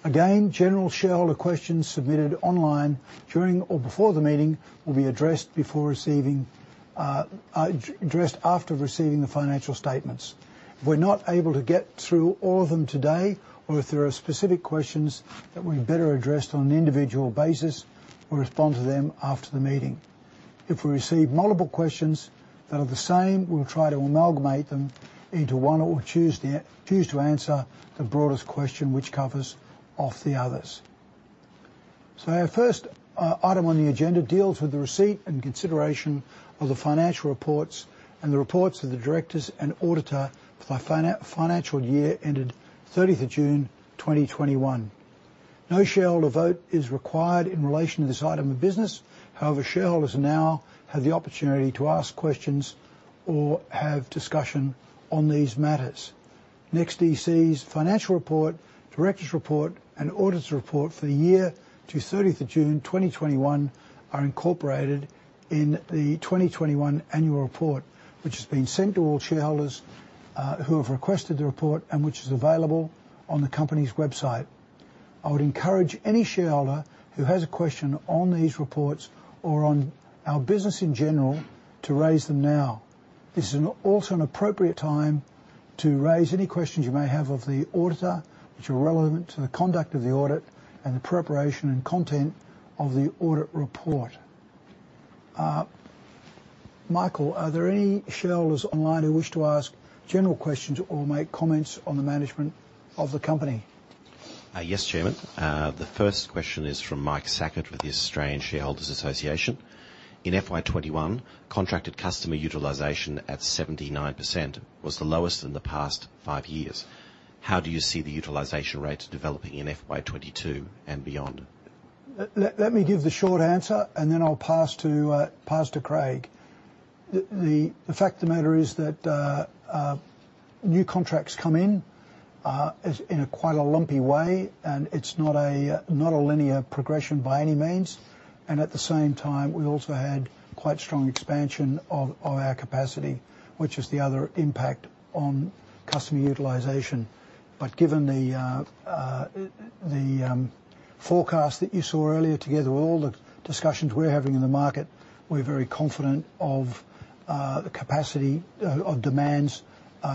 Again, general shareholder questions submitted online during or before the meeting will be addressed after receiving the financial statements. If we're not able to get through all of them today or if there are specific questions that we better addressed on an individual basis, we'll respond to them after the meeting. If we receive multiple questions that are the same, we'll try to amalgamate them into one, or we'll choose to answer the broadest question which covers off the others. Our first item on the agenda deals with the receipt and consideration of the financial reports and the reports of the directors and auditor for the financial year ended June 30, 2021. No shareholder vote is required in relation to this item of business. However, shareholders now have the opportunity to ask questions or have discussion on these matters. NEXTDC's financial report, directors' report, and auditor's report for the year to June 30, 2021 are incorporated in the 2021 annual report, which has been sent to all shareholders who have requested the report and which is available on the company's website. I would encourage any shareholder who has a question on these reports or on our business in general to raise them now. This is also an appropriate time to raise any questions you may have of the auditor, which are relevant to the conduct of the audit and the preparation and content of the audit report. Michael, are there any shareholders online who wish to ask general questions or make comments on the management of the company? Yes, Chairman. The first question is from Mike Sackett with the Australian Shareholders' Association. In FY2021, contracted customer utilization at 79% was the lowest in the past five years. How do you see the utilization rates developing in FY 2022 and beyond? Let me give the short answer, and then I'll pass to Craig. The fact of the matter is that new contracts come in in a quite lumpy way, and it's not a linear progression by any means. At the same time, we also had quite strong expansion of our capacity, which is the other impact on customer utilization. Given the forecast that you saw earlier together with all the discussions we're having in the market, we're very confident of the capacity demand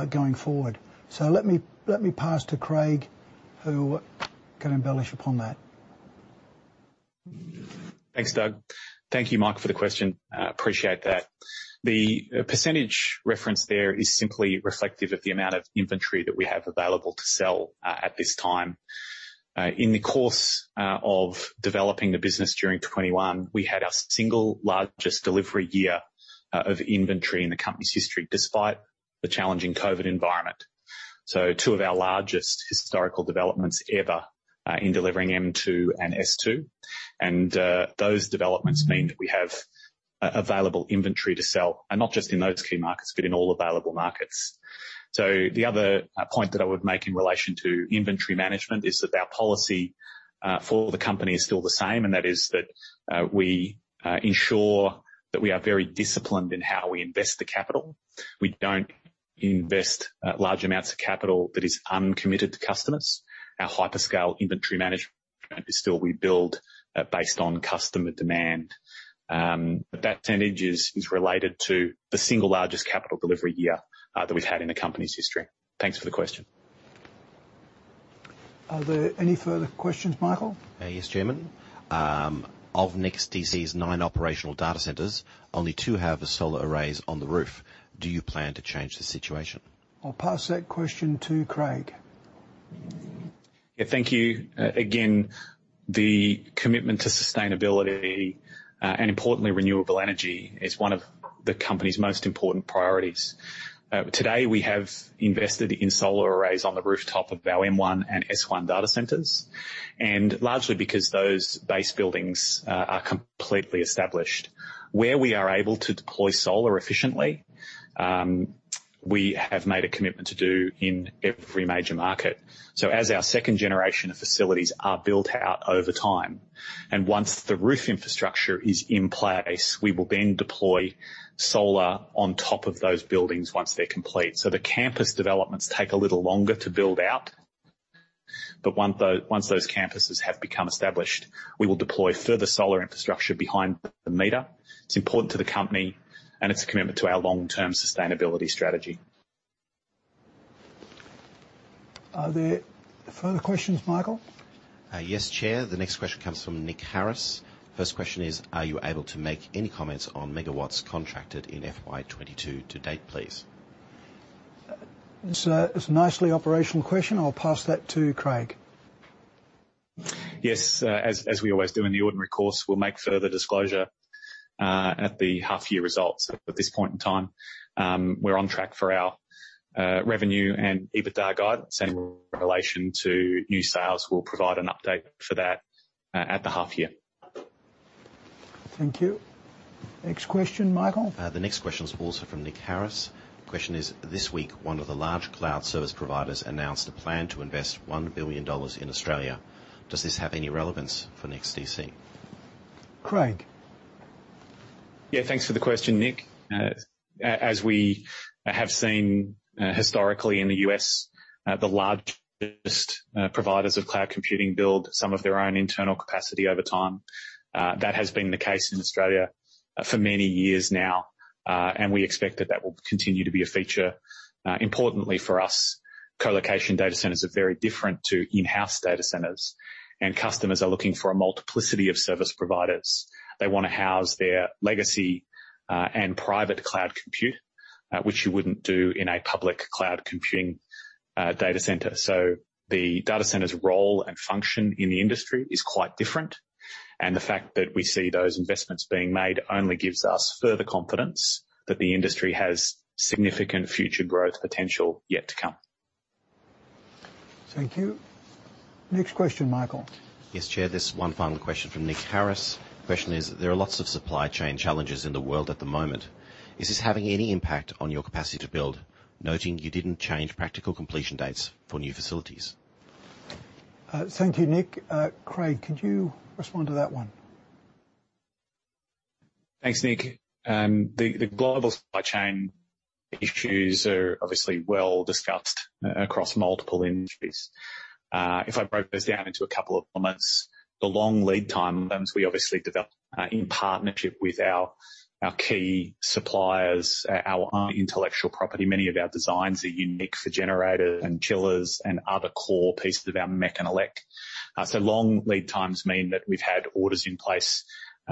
going forward. Let me pass to Craig, who can embellish upon that. Thanks, Doug. Thank you, Mike, for the question. Appreciate that. The percentage referenced there is simply reflective of the amount of inventory that we have available to sell at this time. In the course of developing the business during 2021, we had our single largest delivery year of inventory in the company's history, despite the challenging COVID-19 environment. Two of our largest historical developments ever in delivering M2 and S2. Those developments mean that we have available inventory to sell, and not just in those key markets, but in all available markets. The other point that I would make in relation to inventory management is that our policy for the company is still the same, and that is that we ensure that we are very disciplined in how we invest the capital. We don't invest large amounts of capital that is uncommitted to customers. Our hyperscale inventory management is still we build based on customer demand. That percentage is related to the single largest capital delivery year that we've had in the company's history. Thanks for the question. Are there any further questions, Michael? Yes, Chairman. Of NEXTDC's nine operational data centers, only two have the solar arrays on the roof. Do you plan to change the situation? I'll pass that question to Craig. Yeah. Thank you. Again, the commitment to sustainability, and importantly, renewable energy is one of the company's most important priorities. Today, we have invested in solar arrays on the rooftop of our M1 and S1 data centers, and largely because those base buildings are completely established. Where we are able to deploy solar efficiently, we have made a commitment to do in every major market. As our second generation of facilities are built out over time, and once the roof infrastructure is in place, we will then deploy solar on top of those buildings once they're complete. The campus developments take a little longer to build out. But once those campuses have become established, we will deploy further solar infrastructure behind the meter. It's important to the company, and it's a commitment to our long-term sustainability strategy. Are there further questions, Michael? Yes, Chair. The next question comes from Nick Harris. First question is: Are you able to make any comments on megawatts contracted in FY2022 to date, please? It's a nicely operational question. I'll pass that to Craig. Yes. As we always do in the ordinary course, we'll make further disclosure at the half year results. At this point in time, we're on track for our revenue and EBITDA guide. Same in relation to new sales. We'll provide an update for that at the half year. Thank you. Next question, Michael. The next question is also from Nick Harris. Question is: This week, one of the large cloud service providers announced a plan to invest 1 billion dollars in Australia. Does this have any relevance for NEXTDC? Craig. Yeah, thanks for the question, Nick. As we have seen historically in the U.S., the largest providers of cloud computing build some of their own internal capacity over time. That has been the case in Australia for many years now. We expect that that will continue to be a feature. Importantly for us, colocation data centers are very different to in-house data centers, and customers are looking for a multiplicity of service providers. They wanna house their legacy and private cloud compute, which you wouldn't do in a public cloud computing data center. The data center's role and function in the industry is quite different. The fact that we see those investments being made only gives us further confidence that the industry has significant future growth potential yet to come. Thank you. Next question, Michael. Yes, Chair. There's one final question from Nick Harris. Question is: There are lots of supply chain challenges in the world at the moment. Is this having any impact on your capacity to build? Noting you didn't change practical completion dates for new facilities. Thank you, Nick. Craig, could you respond to that one? Thanks, Nick. The global supply chain issues are obviously well discussed across multiple industries. If I broke those down into a couple of elements, the long lead time items we obviously develop in partnership with our key suppliers, our intellectual property. Many of our designs are unique for generators and chillers and other core pieces of our mech and elec. So long lead times mean that we've had orders in place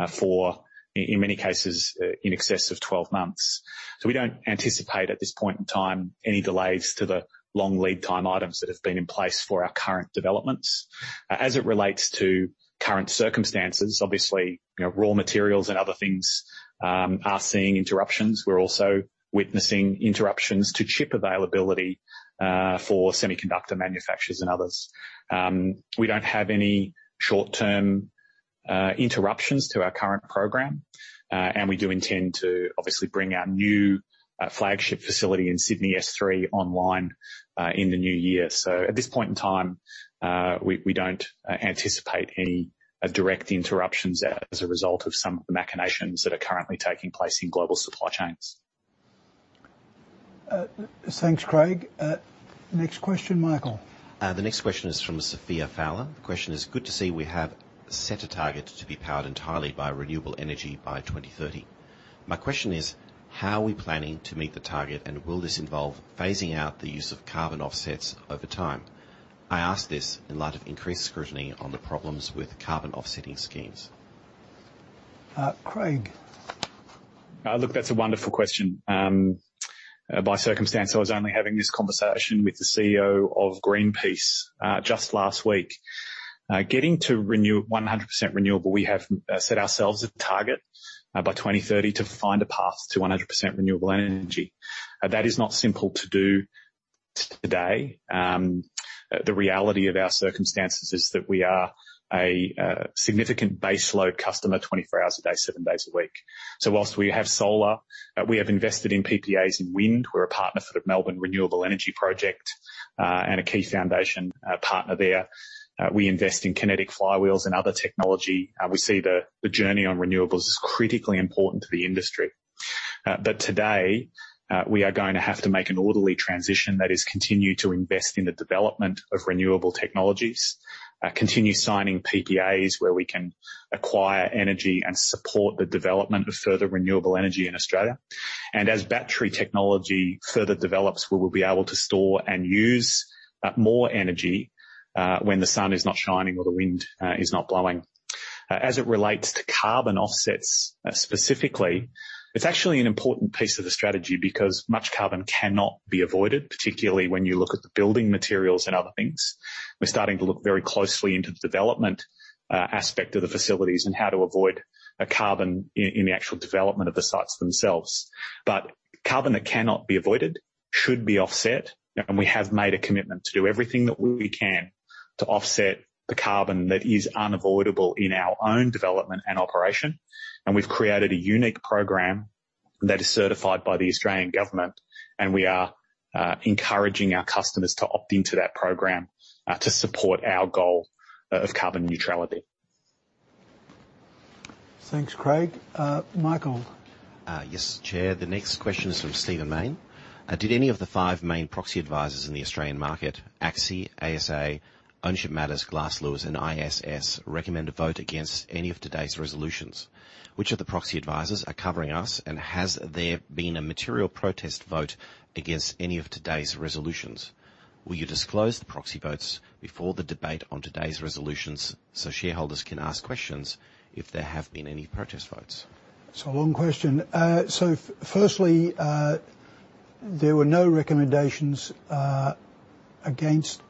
for, in many cases, in excess of 12 months. We don't anticipate at this point in time any delays to the long lead time items that have been in place for our current developments. As it relates to current circumstances, obviously, you know, raw materials and other things are seeing interruptions. We're also witnessing interruptions to chip availability for semiconductor manufacturers and others. We don't have any short-term interruptions to our current program. We do intend to obviously bring our new flagship facility in Sydney, S3, online in the new year. At this point in time, we don't anticipate any direct interruptions as a result of some of the machinations that are currently taking place in global supply chains. Thanks, Craig. Next question, Michael. The next question is from Sophia Fowler. The question is: Good to see we have set a target to be powered entirely by renewable energy by 2030. My question is: How are we planning to meet the target, and will this involve phasing out the use of carbon offsets over time? I ask this in light of increased scrutiny on the problems with carbon offsetting schemes. Craig. Look, that's a wonderful question. By circumstance, I was only having this conversation with the CEO of Greenpeace just last week. 100% renewable, we have set ourselves a target by 2030 to find a path to 100% renewable energy. That is not simple to do today. The reality of our circumstances is that we are a significant base load customer, 24 hours a day, seven days a week. Whilst we have solar, we have invested in PPAs in wind. We're a partner for the Melbourne Renewable Energy Project, and a key foundation partner there. We invest in kinetic flywheels and other technology. We see the journey on renewables as critically important to the industry. Today, we are going to have to make an orderly transition that is to continue to invest in the development of renewable technologies, continue signing PPAs where we can acquire energy and support the development of further renewable energy in Australia. As battery technology further develops, we will be able to store and use more energy when the sun is not shining or the wind is not blowing. As it relates to carbon offsets, specifically, it's actually an important piece of the strategy because much carbon cannot be avoided, particularly when you look at the building materials and other things. We're starting to look very closely into the development aspect of the facilities and how to avoid carbon in the actual development of the sites themselves. Carbon that cannot be avoided should be offset, and we have made a commitment to do everything that we can to offset the carbon that is unavoidable in our own development and operation. We've created a unique program that is certified by the Australian government, and we are encouraging our customers to opt into that program to support our goal of carbon neutrality. Thanks, Craig. Michael? Yes, Chair. The next question is from Stephen Mayne. Did any of the five main proxy advisors in the Australian market, ACSI, ASA, Ownership Matters, Glass Lewis, and ISS, recommend a vote against any of today's resolutions? Which of the proxy advisors are covering us, and has there been a material protest vote against any of today's resolutions? Will you disclose the proxy votes before the debate on today's resolutions so shareholders can ask questions if there have been any protest votes? It's a long question. Firstly, there were no recommendations against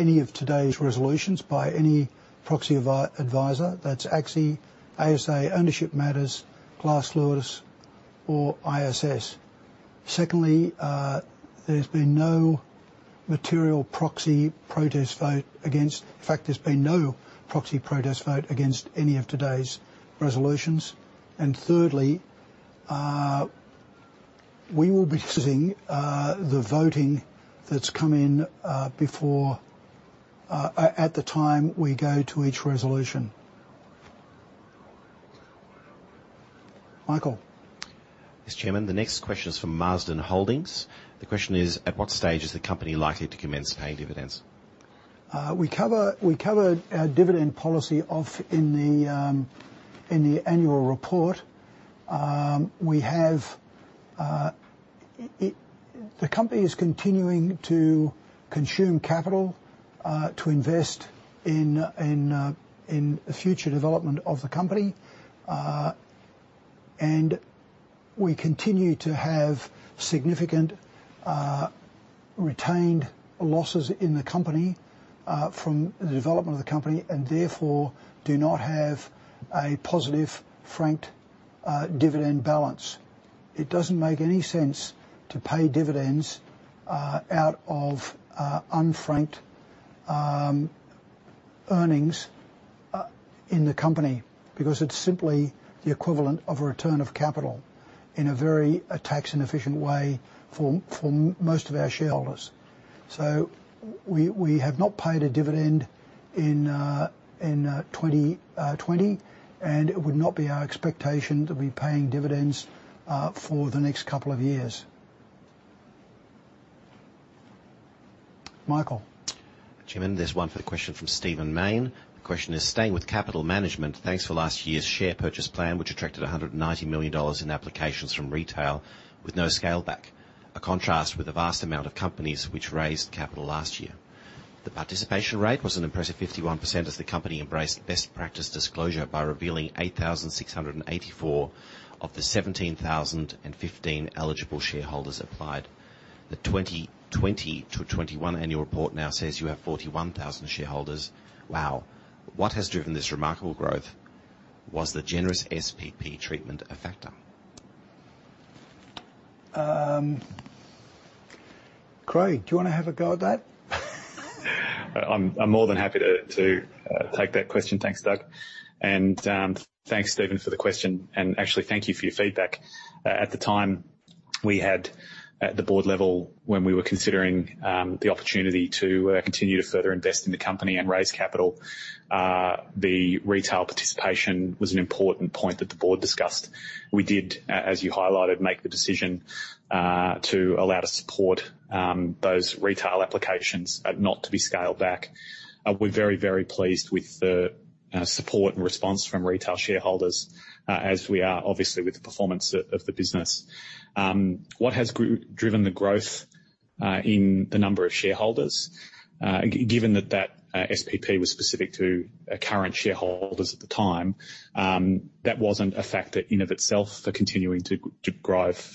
any of today's resolutions by any proxy advisor. That's ACSI, ASA, Ownership Matters, Glass Lewis, or ISS. Secondly, there's been no material proxy protest vote against. In fact, there's been no proxy protest vote against any of today's resolutions. Thirdly, we will be seeing the voting that's come in before at the time we go to each resolution. Michael? Yes, Chairman. The next question is from Marsden Holdings. The question is: At what stage is the company likely to commence paying dividends? We covered our dividend policy in the annual report. The company is continuing to consume capital to invest in the future development of the company. We continue to have significant retained losses in the company from the development of the company, and therefore do not have a positive franked dividend balance. It doesn't make any sense to pay dividends out of unfranked earnings in the company, because it's simply the equivalent of a return of capital in a very tax inefficient way for most of our shareholders. We have not paid a dividend in 2020, and it would not be our expectation to be paying dividends for the next couple of years. Michael? Chairman, there's one further question from Steven Main. The question is: Staying with capital management, thanks for last year's share purchase plan, which attracted 190 million dollars in applications from retail with no scale back. A contrast with the vast amount of companies which raised capital last year. The participation rate was an impressive 51% as the company embraced best practice disclosure by revealing 8,684 of the 17,015 eligible shareholders applied. The 2020 to 2021 annual report now says you have 41,000 shareholders. Wow. What has driven this remarkable growth? Was the generous SPP treatment a factor? Craig, do you wanna have a go at that? I'm more than happy to take that question. Thanks, Doug. Thanks, Steven, for the question and actually thank you for your feedback. At the time, we had at the board level, when we were considering the opportunity to continue to further invest in the company and raise capital, the retail participation was an important point that the board discussed. We did, as you highlighted, make the decision to allow to support those retail applications not to be scaled back. We're very pleased with the support and response from retail shareholders, as we are obviously with the performance of the business. What has driven the growth in the number of shareholders? Given that that SPP was specific to current shareholders at the time, that wasn't a factor in of itself for continuing to drive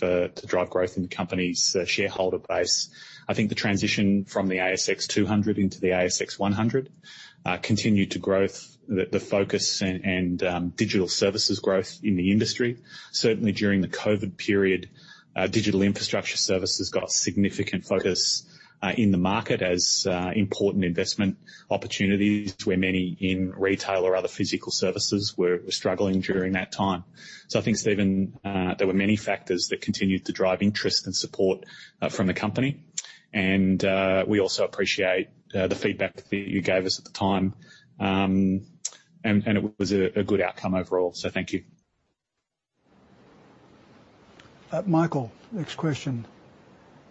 growth in the company's shareholder base. I think the transition from the ASX 200 into the ASX 100 continued to grow the focus and digital services growth in the industry. Certainly during the COVID-19 period, digital infrastructure services got significant focus in the market as important investment opportunities where many in retail or other physical services were struggling during that time. I think, Steven, there were many factors that continued to drive interest and support for the company. We also appreciate the feedback that you gave us at the time. It was a good outcome overall. Thank you. Michael, next question.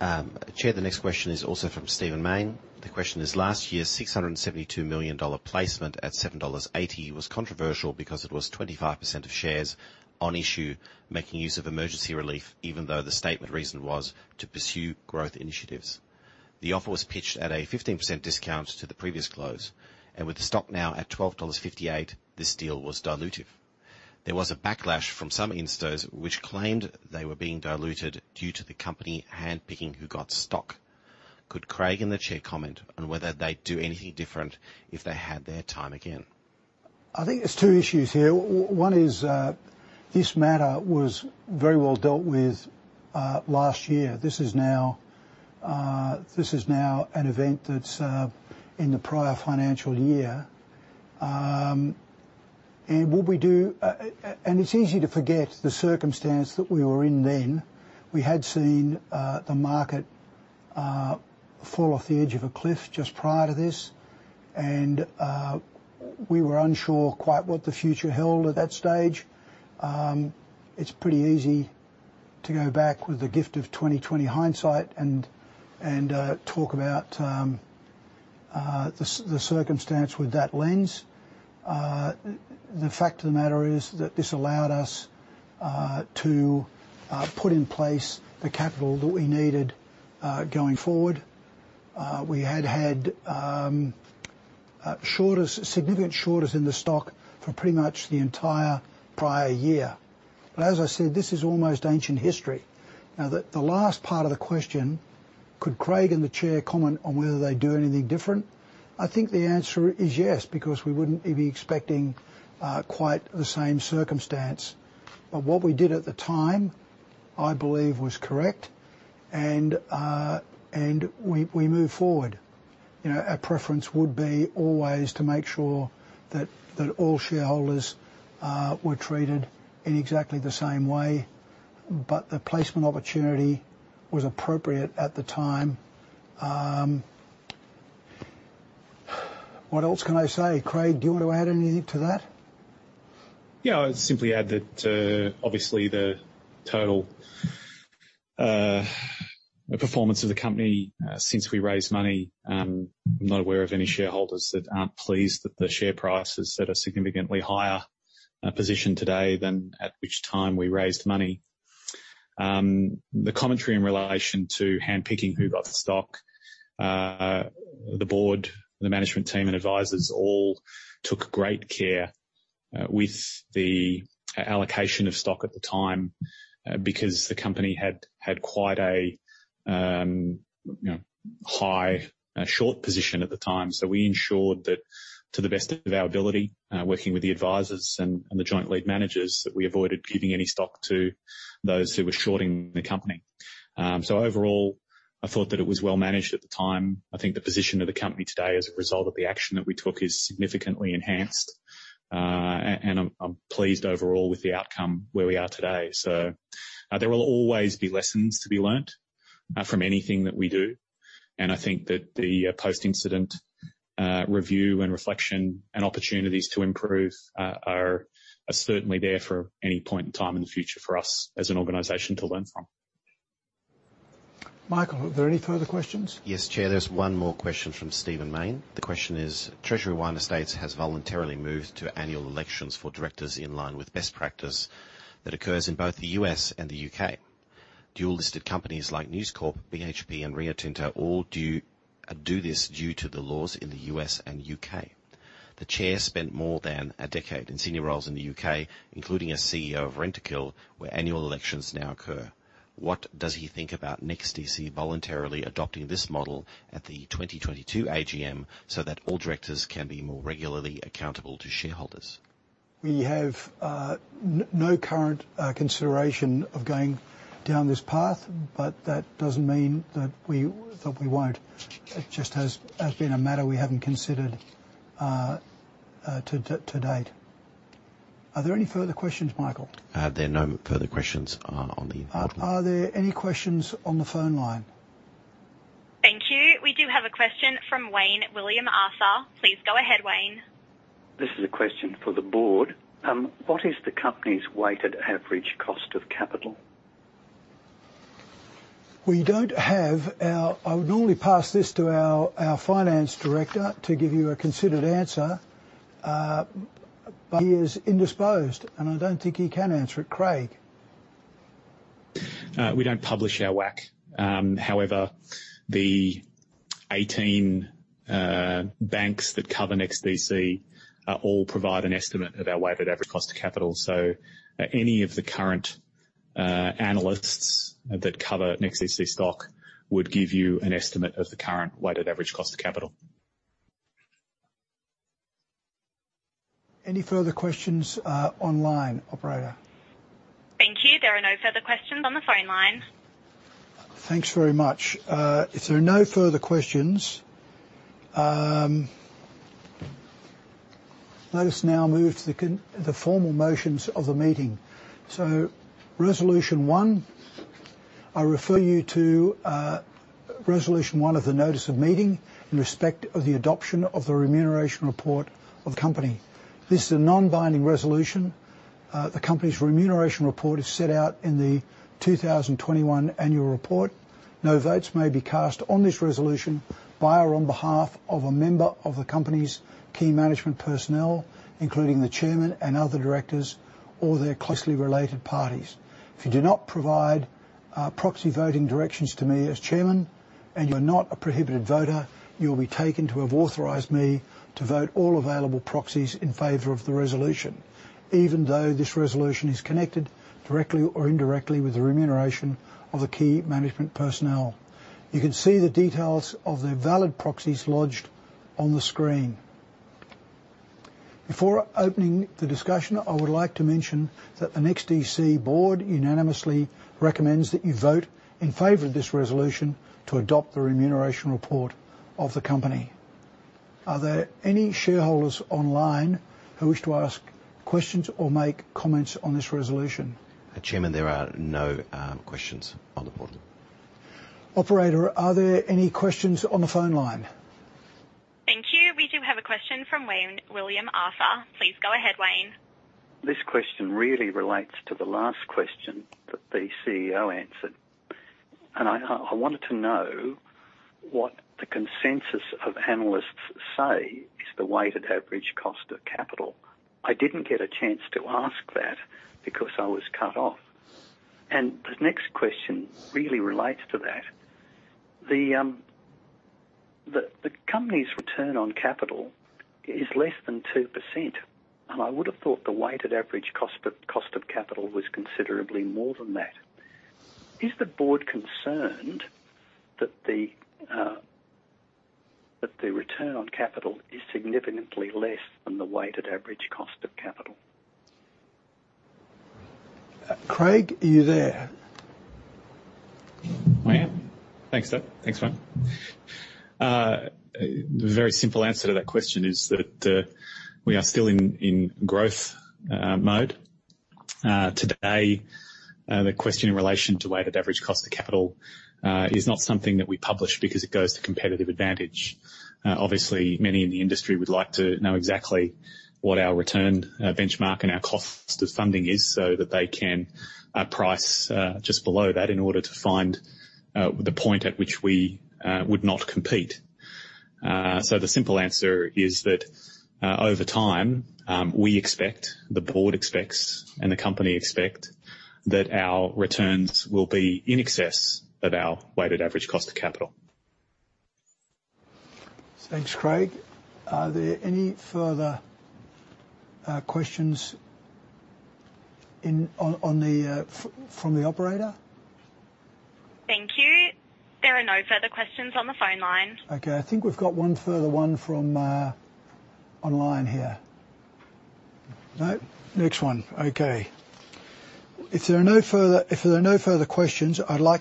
Chair, the next question is also from Stephenn Maine. The question is: Last year's AUD 672 million placement at AUD 7.80 was controversial because it was 25% of shares on issue making use of emergency relief even though the statement reason was to pursue growth initiatives. The offer was pitched at a 15% discount to the previous close, and with the stock now at AUD 12.58, this deal was dilutive. There was a backlash from some instos which claimed they were being diluted due to the company handpicking who got stock. Could Craig and the Chair comment on whether they'd do anything different if they had their time again? I think there's two issues here. One is, this matter was very well dealt with last year. This is now an event that's in the prior financial year. And what we do and it's easy to forget the circumstance that we were in then. We had seen the market fall off the edge of a cliff just prior to this, and we were unsure quite what the future held at that stage. It's pretty easy to go back with the gift of 20/20 hindsight and talk about the circumstance with that lens. The fact of the matter is that this allowed us to put in place the capital that we needed, going forward. We had significant short sellers in the stock for pretty much the entire prior year. As I said, this is almost ancient history. Now, the last part of the question, could Craig and the Chair comment on whether they'd do anything different? I think the answer is yes, because we wouldn't be expecting quite the same circumstance. What we did at the time, I believe was correct. We moved forward. Our preference would be always to make sure that all shareholders were treated in exactly the same way, but the placement opportunity was appropriate at the time. What else can I say? Craig, do you want to add anything to that? Yeah. I would simply add that, obviously the total performance of the company since we raised money, I'm not aware of any shareholders that aren't pleased that the share prices that are significantly higher position today than at which time we raised money. The commentary in relation to handpicking who got the stock, the board, the management team, and advisors all took great care with the allocation of stock at the time, because the company had quite a you know high short position at the time. We ensured that to the best of our ability, working with the advisors and the joint lead managers, that we avoided giving any stock to those who were shorting the company. Overall, I thought that it was well managed at the time. I think the position of the company today as a result of the action that we took is significantly enhanced. I'm pleased overall with the outcome where we are today. There will always be lessons to be learned from anything that we do, and I think that the post-incident review and reflection and opportunities to improve are certainly there for any point in time in the future for us as an organization to learn from. Michael, are there any further questions? Yes, Chair. There's one more question from Stephen Maine. The question is: Treasury Wine Estates has voluntarily moved to annual elections for directors in line with best practice that occurs in both the U.S. and the U.K. Dual-listed companies like News Corp, BHP, and Rio Tinto all do this due to the laws in the U.S. and the U.K. The Chair spent more than a decade in senior roles in the U.K., including as CEO of Rentokil, where annual elections now occur. What does he think about NEXTDC voluntarily adopting this model at the 2022 AGM, so that all directors can be more regularly accountable to shareholders? We have no current consideration of going down this path, but that doesn't mean that we won't. It just has been a matter we haven't considered to date. Are there any further questions, Michael? There are no further questions on the line. Are there any questions on the phone line? Thank you. We do have a question from Wayne William Arthur. Please go ahead, Wayne. This is a question for the board. What is the company's Weighted Average Cost of Capital? I would normally pass this to our finance director to give you a considered answer. He is indisposed, and I don't think he can answer it. Craig. We don't publish our WACC. However, the 18 banks that cover NEXTDC all provide an estimate of our weighted average cost of capital. Any of the current analysts that cover NEXTDC stock would give you an estimate of the current weighted average cost of capital. Any further questions, online, operator? Thank you. There are no further questions on the phone line. Thanks very much. If there are no further questions, let us now move to the formal motions of the meeting. Resolution one, I refer you to resolution one of the notice of meeting in respect of the adoption of the remuneration report of the company. This is a non-binding resolution. The company's remuneration report is set out in the 2021 annual report. No votes may be cast on this resolution by or on behalf of a member of the company's key management personnel, including the chairman and other directors or their closely related parties. If you do not provide proxy voting directions to me as Chairman, and you're not a prohibited voter, you'll be taken to have authorized me to vote all available proxies in favor of the resolution, even though this resolution is connected directly or indirectly with the remuneration of the key management personnel. You can see the details of the valid proxies lodged on the screen. Before opening the discussion, I would like to mention that the NEXTDC board unanimously recommends that you vote in favor of this resolution to adopt the Remuneration Report of the company. Are there any shareholders online who wish to ask questions or make comments on this resolution? Chairman, there are no questions on the portal. Operator, are there any questions on the phone line? Thank you. We do have a question from Wayne William Arthur. Please go ahead, Wayne. This question really relates to the last question that the CEO answered. I wanted to know what the consensus of analysts say is the weighted average cost of capital. I didn't get a chance to ask that because I was cut off. The company's return on capital is less than 2%, and I would have thought the weighted average cost of capital was considerably more than that. Is the board concerned that the return on capital is significantly less than the weighted average cost of capital? Craig, are you there? I am. Thanks, Doug. Thanks, Wayne. A very simple answer to that question is that we are still in growth mode. Today, the question in relation to weighted average cost of capital is not something that we publish because it goes to competitive advantage. Obviously, many in the industry would like to know exactly what our return benchmark and our cost of funding is so that they can price just below that in order to find the point at which we would not compete. The simple answer is that over time we expect, the board expects, and the company expect that our returns will be in excess of our weighted average cost of capital. Thanks, Craig. Are there any further questions from the operator? Thank you. There are no further questions on the phone line. Okay. I think we've got one further one from online here. No? Next one. Okay. If there are no further questions, I now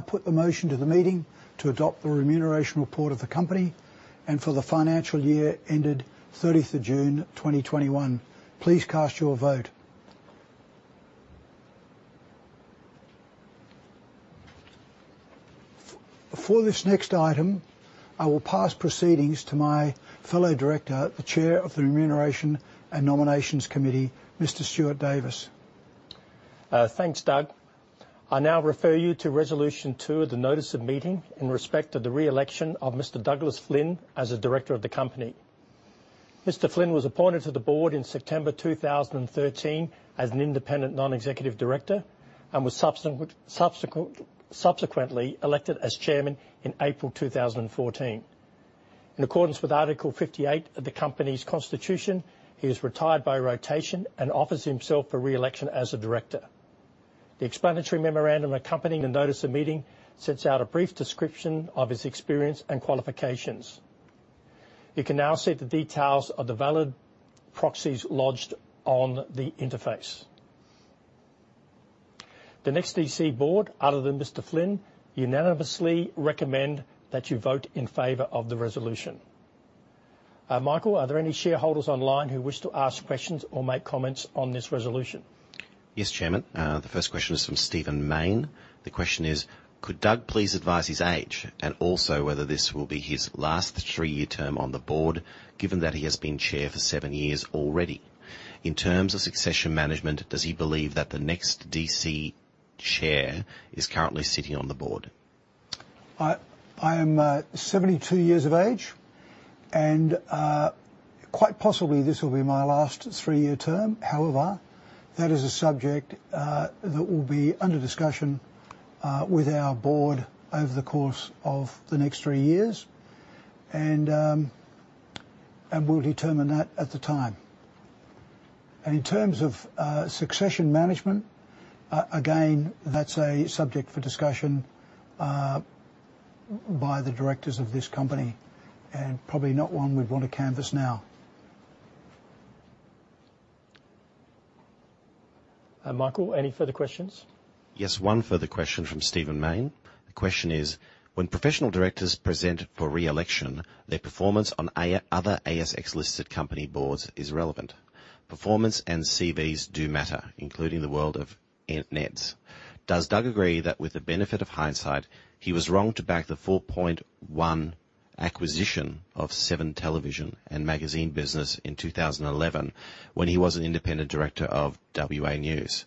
put the motion to the meeting to adopt the remuneration report of the company and for the financial year ended June 30, 2021. Please cast your vote. For this next item, I will pass proceedings to my fellow director, the chair of the Remuneration and Nominations Committee, Mr. Stuart Davis. Thanks, Doug. I now refer you to resolution two of the notice of meeting in respect of the reelection of Mr. Douglas Flynn as a director of the company. Mr. Flynn was appointed to the board in September 2013 as an independent non-executive director, and was subsequently elected as Chairman in April 2014. In accordance with Article 58 of the company's constitution, he has retired by rotation and offers himself for reelection as a director. The explanatory memorandum accompanying the notice of meeting sets out a brief description of his experience and qualifications. You can now see the details of the valid proxies lodged on the interface. The NEXTDC Board, other than Mr. Flynn, unanimously recommend that you vote in favor of the resolution. Michael, are there any shareholders online who wish to ask questions or make comments on this resolution? Yes, Chairman. The first question is from Stephenn Maine. The question is: Could Doug please advise his age, and also whether this will be his last three-year term on the board, given that he has been chair for seven years already? In terms of succession management, does he believe that the NEXTDC chair is currently sitting on the board? I am 72 years of age, and quite possibly this will be my last three-year term. However, that is a subject that will be under discussion with our board over the course of the next three years. We'll determine that at the time. In terms of succession management, that's a subject for discussion by the directors of this company, and probably not one we'd want to canvass now. Michael, any further questions? Yes, one further question from Stephen Maine. The question is: When professional directors present for reelection, their performance on other ASX-listed company boards is relevant. Performance and CVs do matter, including the world of NEDs. Does Doug agree that with the benefit of hindsight, he was wrong to back the 4.1 acquisition of Seven Television and Magazine business in 2011 when he was an independent director of WA News?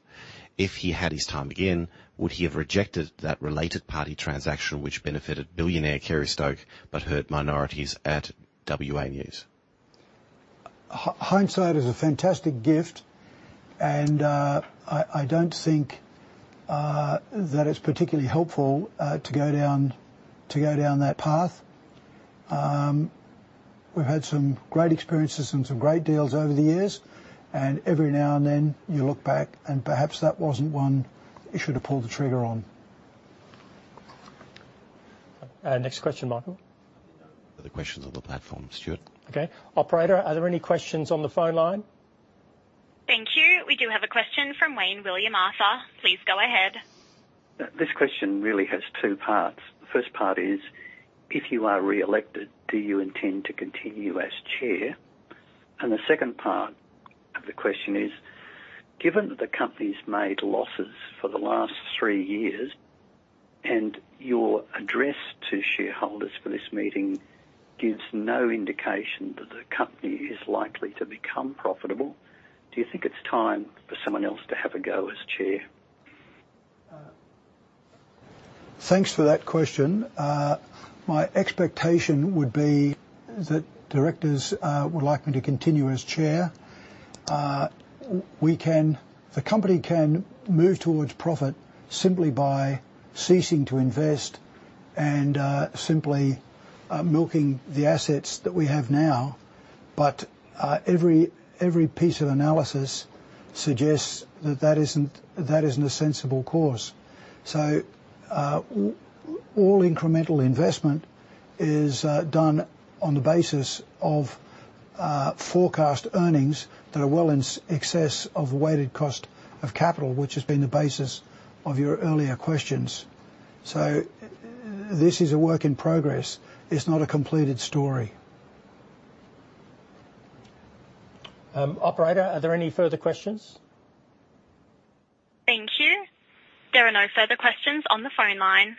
If he had his time again, would he have rejected that related party transaction which benefited billionaire Kerry Stokes but hurt minorities at WA News? Hindsight is a fantastic gift, and I don't think that it's particularly helpful to go down that path. We've had some great experiences and some great deals over the years, and every now and then you look back and perhaps that wasn't one you should have pulled the trigger on. Next question, Michael. Other questions on the platform, Stuart? Okay. Operator, are there any questions on the phone line? Thank you. We do have a question from Wayne William Arthur. Please go ahead. This question really has two parts. The first part is, if you are reelected, do you intend to continue as chair? The second part of the question is, given that the company's made losses for the last three years, and your address to shareholders for this meeting gives no indication that the company is likely to become profitable, do you think it's time for someone else to have a go as chair? Thanks for that question. My expectation would be that directors would like me to continue as chair. The company can move towards profit simply by ceasing to invest and simply milking the assets that we have now. Every piece of analysis suggests that that isn't a sensible course. All incremental investment is done on the basis of forecast earnings that are well in excess of weighted cost of capital, which has been the basis of your earlier questions. This is a work in progress. It's not a completed story. Operator, are there any further questions? Thank you. There are no further questions on the phone line.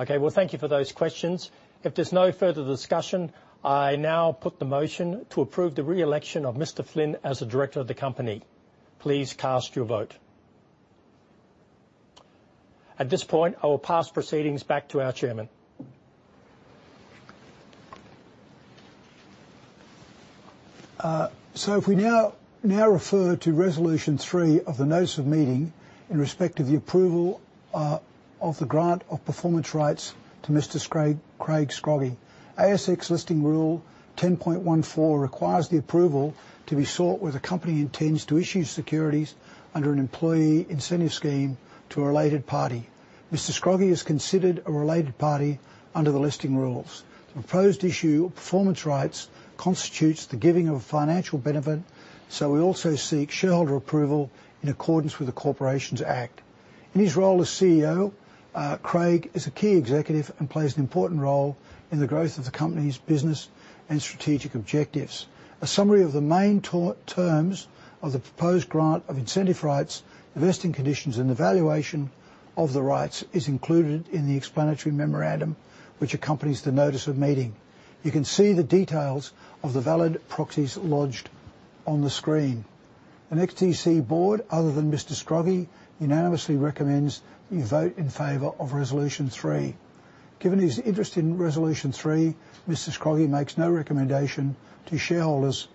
Okay. Well, thank you for those questions. If there's no further discussion, I now put the motion to approve the reelection of Mr. Douglas Flynn as a director of the company. Please cast your vote. At this point, I will pass proceedings back to our chairman. If we now refer to resolution three of the notice of meeting in respect of the approval of the grant of performance rights to Mr. Scroggie, Craig Scroggie. ASX Listing Rule 10.14 requires the approval to be sought where the company intends to issue securities under an employee incentive scheme to a related party. Mr. Scroggie is considered a related party under the listing rules. The proposed issue of performance rights constitutes the giving of a financial benefit. We also seek shareholder approval in accordance with the Corporations Act. In his role as CEO, Craig is a key executive and plays an important role in the growth of the company's business and strategic objectives. A summary of the main terms of the proposed grant of incentive rights, the vesting conditions and the valuation of the rights is included in the explanatory memorandum, which accompanies the notice of meeting. You can see the details of the valid proxies lodged on the screen. A NEXTDC board other than Mr. Scroggie unanimously recommends you vote in favor of resolution three. Given his interest in resolution three, Mr. Scroggie makes no recommendation to shareholders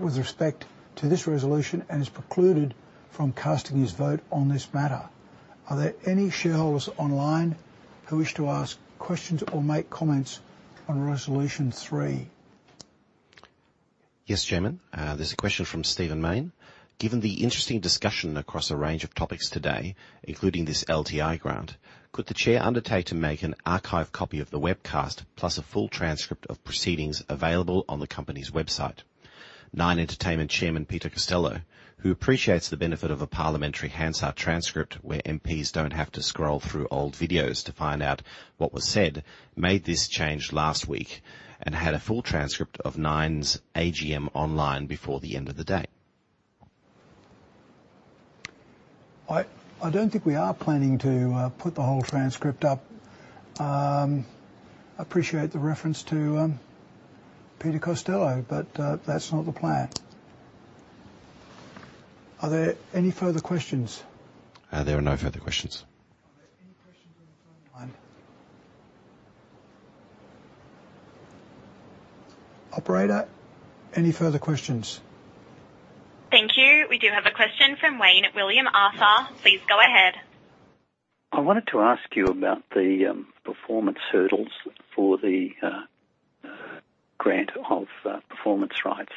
with respect to this resolution and is precluded from casting his vote on this matter. Are there any shareholders online who wish to ask questions or make comments on resolution three? Yes, Chairman. There's a question from Stephen Maine. Given the interesting discussion across a range of topics today, including this LTI grant, could the Chair undertake to make an archive copy of the webcast plus a full transcript of proceedings available on the company's website? Nine Entertainment Chairman Peter Costello, who appreciates the benefit of a parliamentary Hansard transcript where MPs don't have to scroll through old videos to find out what was said, made this change last week and had a full transcript of Nine's AGM online before the end of the day. I don't think we are planning to put the whole transcript up. Appreciate the reference to Peter Costello, but that's not the plan. Are there any further questions? There are no further questions. Are there any questions on the phone line? Operator, any further questions? Thank you. We do have a question from Wayne William Arthur. Please go ahead. I wanted to ask you about the performance hurdles for the grant of performance rights.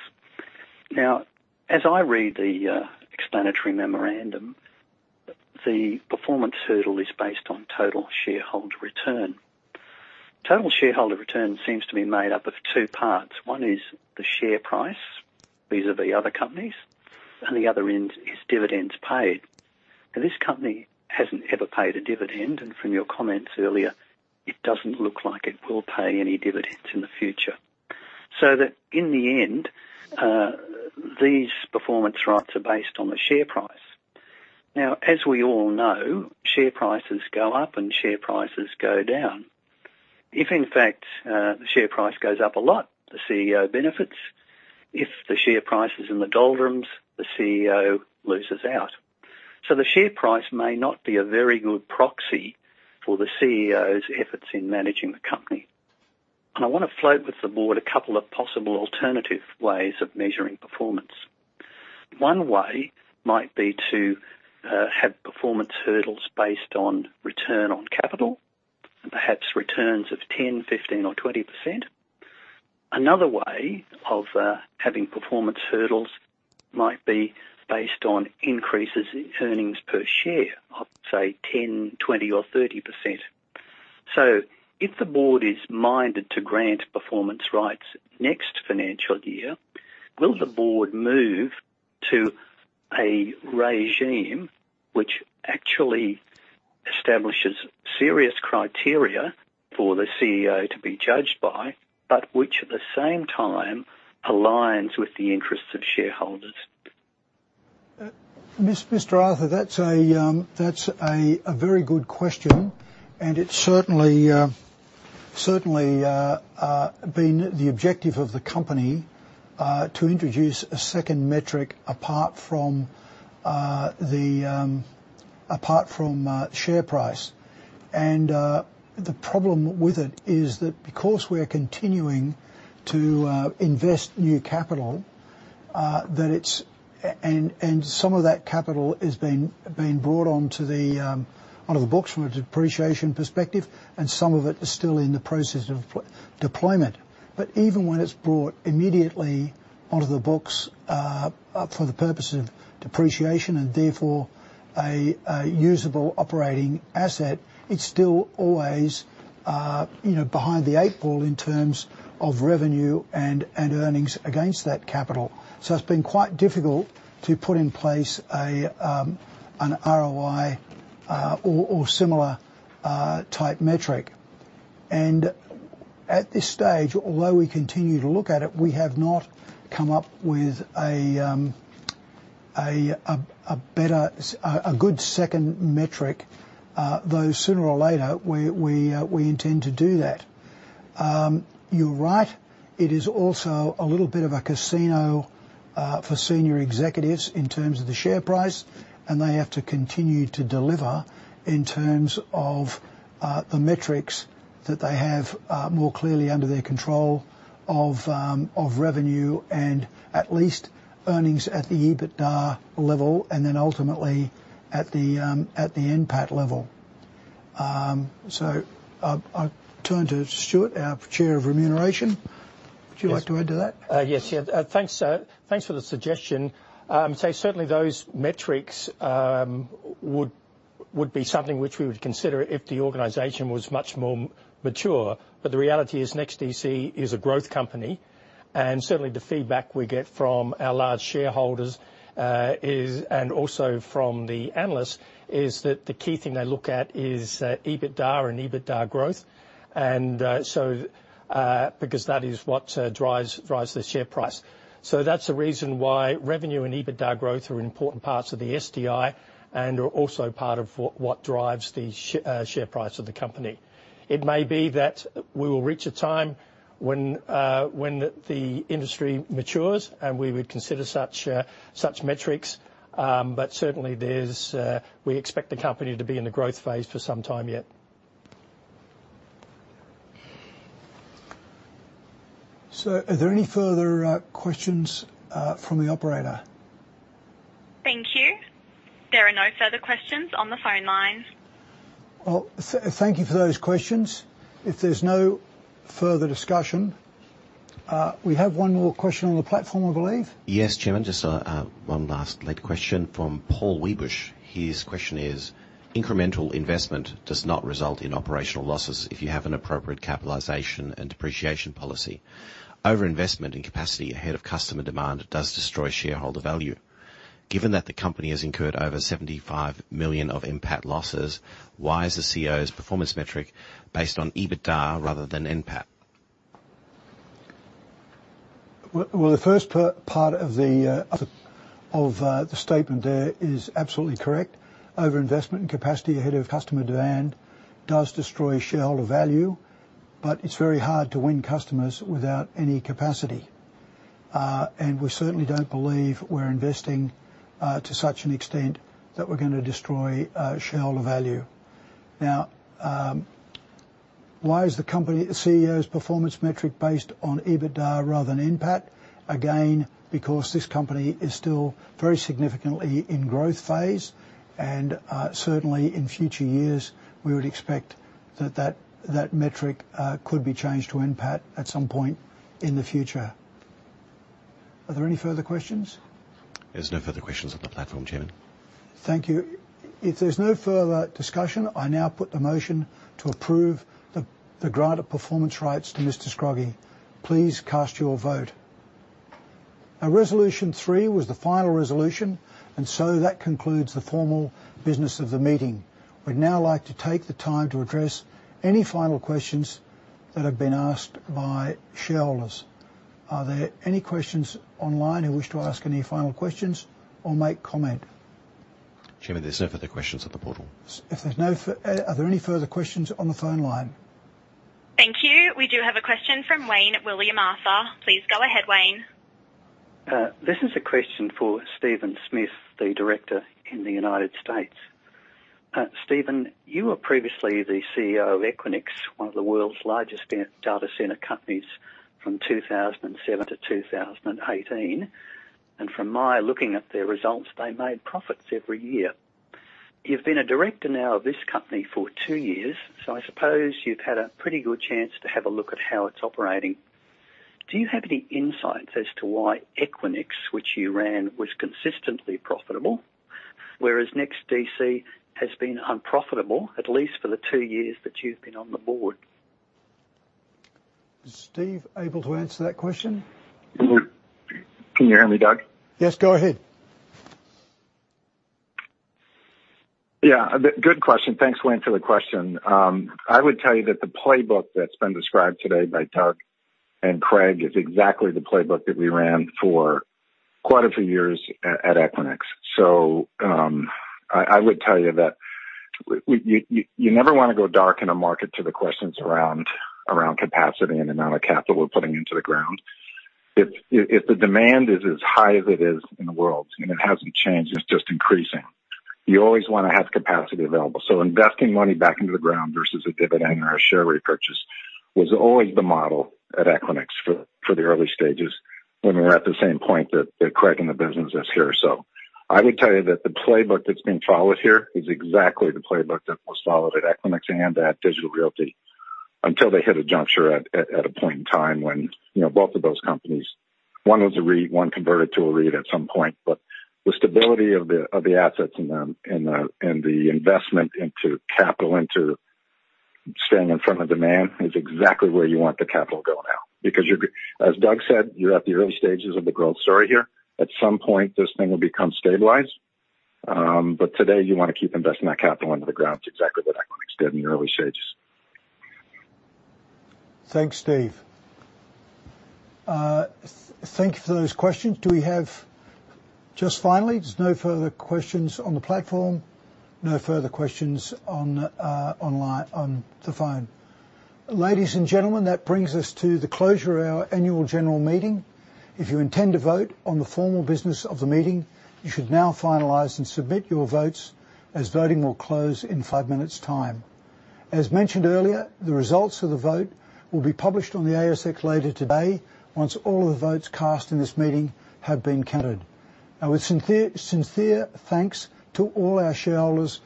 Now, as I read the explanatory memorandum, the performance hurdle is based on total shareholder return. Total shareholder return seems to be made up of two parts. One is the share price, vis-à-vis other companies, and the other end is dividends paid. Now, this company hasn't ever paid a dividend, and from your comments earlier, it doesn't look like it will pay any dividends in the future. That in the end, these performance rights are based on the share price. Now, as we all know, share prices go up, and share prices go down. If in fact, the share price goes up a lot, the CEO benefits. If the share price is in the doldrums, the CEO loses out. The share price may not be a very good proxy for the CEO's efforts in managing the company. I wanna float with the board a couple of possible alternative ways of measuring performance. One way might be to have performance hurdles based on return on capital, perhaps returns of 10%,15%,20%. Another way of having performance hurdles might be based on increases in earnings per share of, say, 10, 20 or 30%. If the board is minded to grant performance rights next financial year, will the board move to a regime which actually establishes serious criteria for the CEO to be judged by, but which at the same time aligns with the interests of shareholders? Mr. Arthur, that's a very good question, and it's certainly been the objective of the company to introduce a second metric apart from share price. The problem with it is that because we're continuing to invest new capital, some of that capital is being brought onto the books from a depreciation perspective, and some of it is still in the process of deployment. Even when it's brought immediately onto the books for the purpose of depreciation and therefore a usable operating asset, it's still always, you know, behind the eight ball in terms of revenue and earnings against that capital. It's been quite difficult to put in place an ROI or similar type metric. At this stage, although we continue to look at it, we have not come up with a better, a good second metric, though sooner or later we intend to do that. You're right, it is also a little bit of a casino for senior executives in terms of the share price, and they have to continue to deliver in terms of the metrics that they have more clearly under their control of revenue and at least earnings at the EBITDA level and then ultimately at the NPAT level. I'll turn to Stuart, our Chair of Remuneration. Yes. Would you like to add to that? Yes. Thanks for the suggestion. Certainly those metrics would be something which we would consider if the organization was much more mature. The reality is NEXTDC is a growth company, and certainly the feedback we get from our large shareholders is, and also from the analysts, is that the key thing they look at is EBITDA and EBITDA growth. Because that is what drives the share price. That's the reason why revenue and EBITDA growth are important parts of the STI and are also part of what drives the share price of the company. It may be that we will reach a time when the industry matures and we would consider such metrics. Certainly, there's we expect the company to be in the growth phase for some time yet. Are there any further questions from the operator? Thank you. There are no further questions on the phone lines. Well, thank you for those questions. If there's no further discussion, we have one more question on the platform, I believe. Yes, Chairman. Just one last late question from Paul Wiebusch. His question is: Incremental investment does not result in operational losses if you have an appropriate capitalization and depreciation policy. Overinvestment in capacity ahead of customer demand does destroy shareholder value. Given that the company has incurred over 75 million of NPAT losses, why is the CEO's performance metric based on EBITDA rather than NPAT? Well, the first part of the statement there is absolutely correct. Overinvestment in capacity ahead of customer demand does destroy shareholder value, but it's very hard to win customers without any capacity. We certainly don't believe we're investing to such an extent that we're gonna destroy shareholder value. Now, why is the company CEO's performance metric based on EBITDA rather than NPAT? Again, because this company is still very significantly in growth phase, and certainly in future years, we would expect that metric could be changed to NPAT at some point in the future. Are there any further questions? There's no further questions on the platform, Chairman. Thank you. If there's no further discussion, I now put the motion to approve the grant of performance rights to Mr. Scroggie. Please cast your vote. Now, resolution three was the final resolution, and so that concludes the formal business of the meeting. We'd now like to take the time to address any final questions that have been asked by shareholders. Are there any shareholders online who wish to ask any final questions or make comment? Chairman, there's no further questions at the portal. Are there any further questions on the phone line? Thank you. We do have a question from Wayne William Arthur. Please go ahead, Wayne. This is a question for Stephen Smith, the director in the United States. Stephen, you were previously the CEO of Equinix, one of the world's largest data center companies from 2007 to 2018. From my looking at their results, they made profits every year. You've been a director now of this company for two years, so I suppose you've had a pretty good chance to have a look at how it's operating. Do you have any insight as to why Equinix, which you ran, was consistently profitable, whereas NEXTDC has been unprofitable, at least for the two years that you've been on the board? Is Steve able to answer that question? Can you hear me, Doug? Yes, go ahead. Yeah. A good question. Thanks, Wayne, for the question. I would tell you that the playbook that's been described today by Doug and Craig is exactly the playbook that we ran for quite a few years at Equinix. I would tell you that you never wanna go dark in a market to the questions around capacity and amount of capital we're putting into the ground. If the demand is as high as it is in the world, and it hasn't changed, it's just increasing, you always wanna have capacity available. Investing money back into the ground versus a dividend or a share repurchase was always the model at Equinix for the early stages when we're at the same point that Craig and the business is here. I would tell you that the playbook that's been followed here is exactly the playbook that was followed at Equinix and at Digital Realty until they hit a juncture at a point in time when, you know, both of those companies, one was a REIT, one converted to a REIT at some point. The stability of the assets and the investment of capital into staying in front of demand is exactly where you want the capital to go now. Because, as Doug said, you're at the early stages of the growth story here. At some point, this thing will become stabilized. Today you wanna keep investing that capital into the ground. It's exactly what Equinix did in the early stages. Thanks, Steve. Thank you for those questions. Just finally, there's no further questions on the platform, no further questions on online, on the phone. Ladies and gentlemen, that brings us to the closure of our annual general meeting. If you intend to vote on the formal business of the meeting, you should now finalize and submit your votes, as voting will close in five minutes time. As mentioned earlier, the results of the vote will be published on the ASX later today once all the votes cast in this meeting have been counted. Now, with sincere thanks to all our shareholders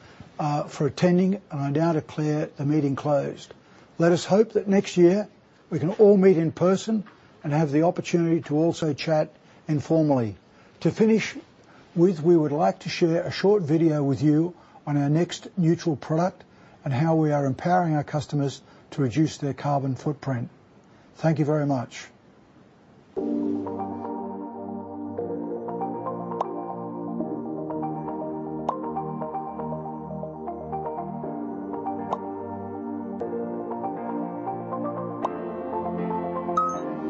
for attending, I now declare the meeting closed. Let us hope that next year we can all meet in person and have the opportunity to also chat informally. To finish, we would like to share a short video with you on our NEXTneutral product and how we are empowering our customers to reduce their carbon footprint. Thank you very much.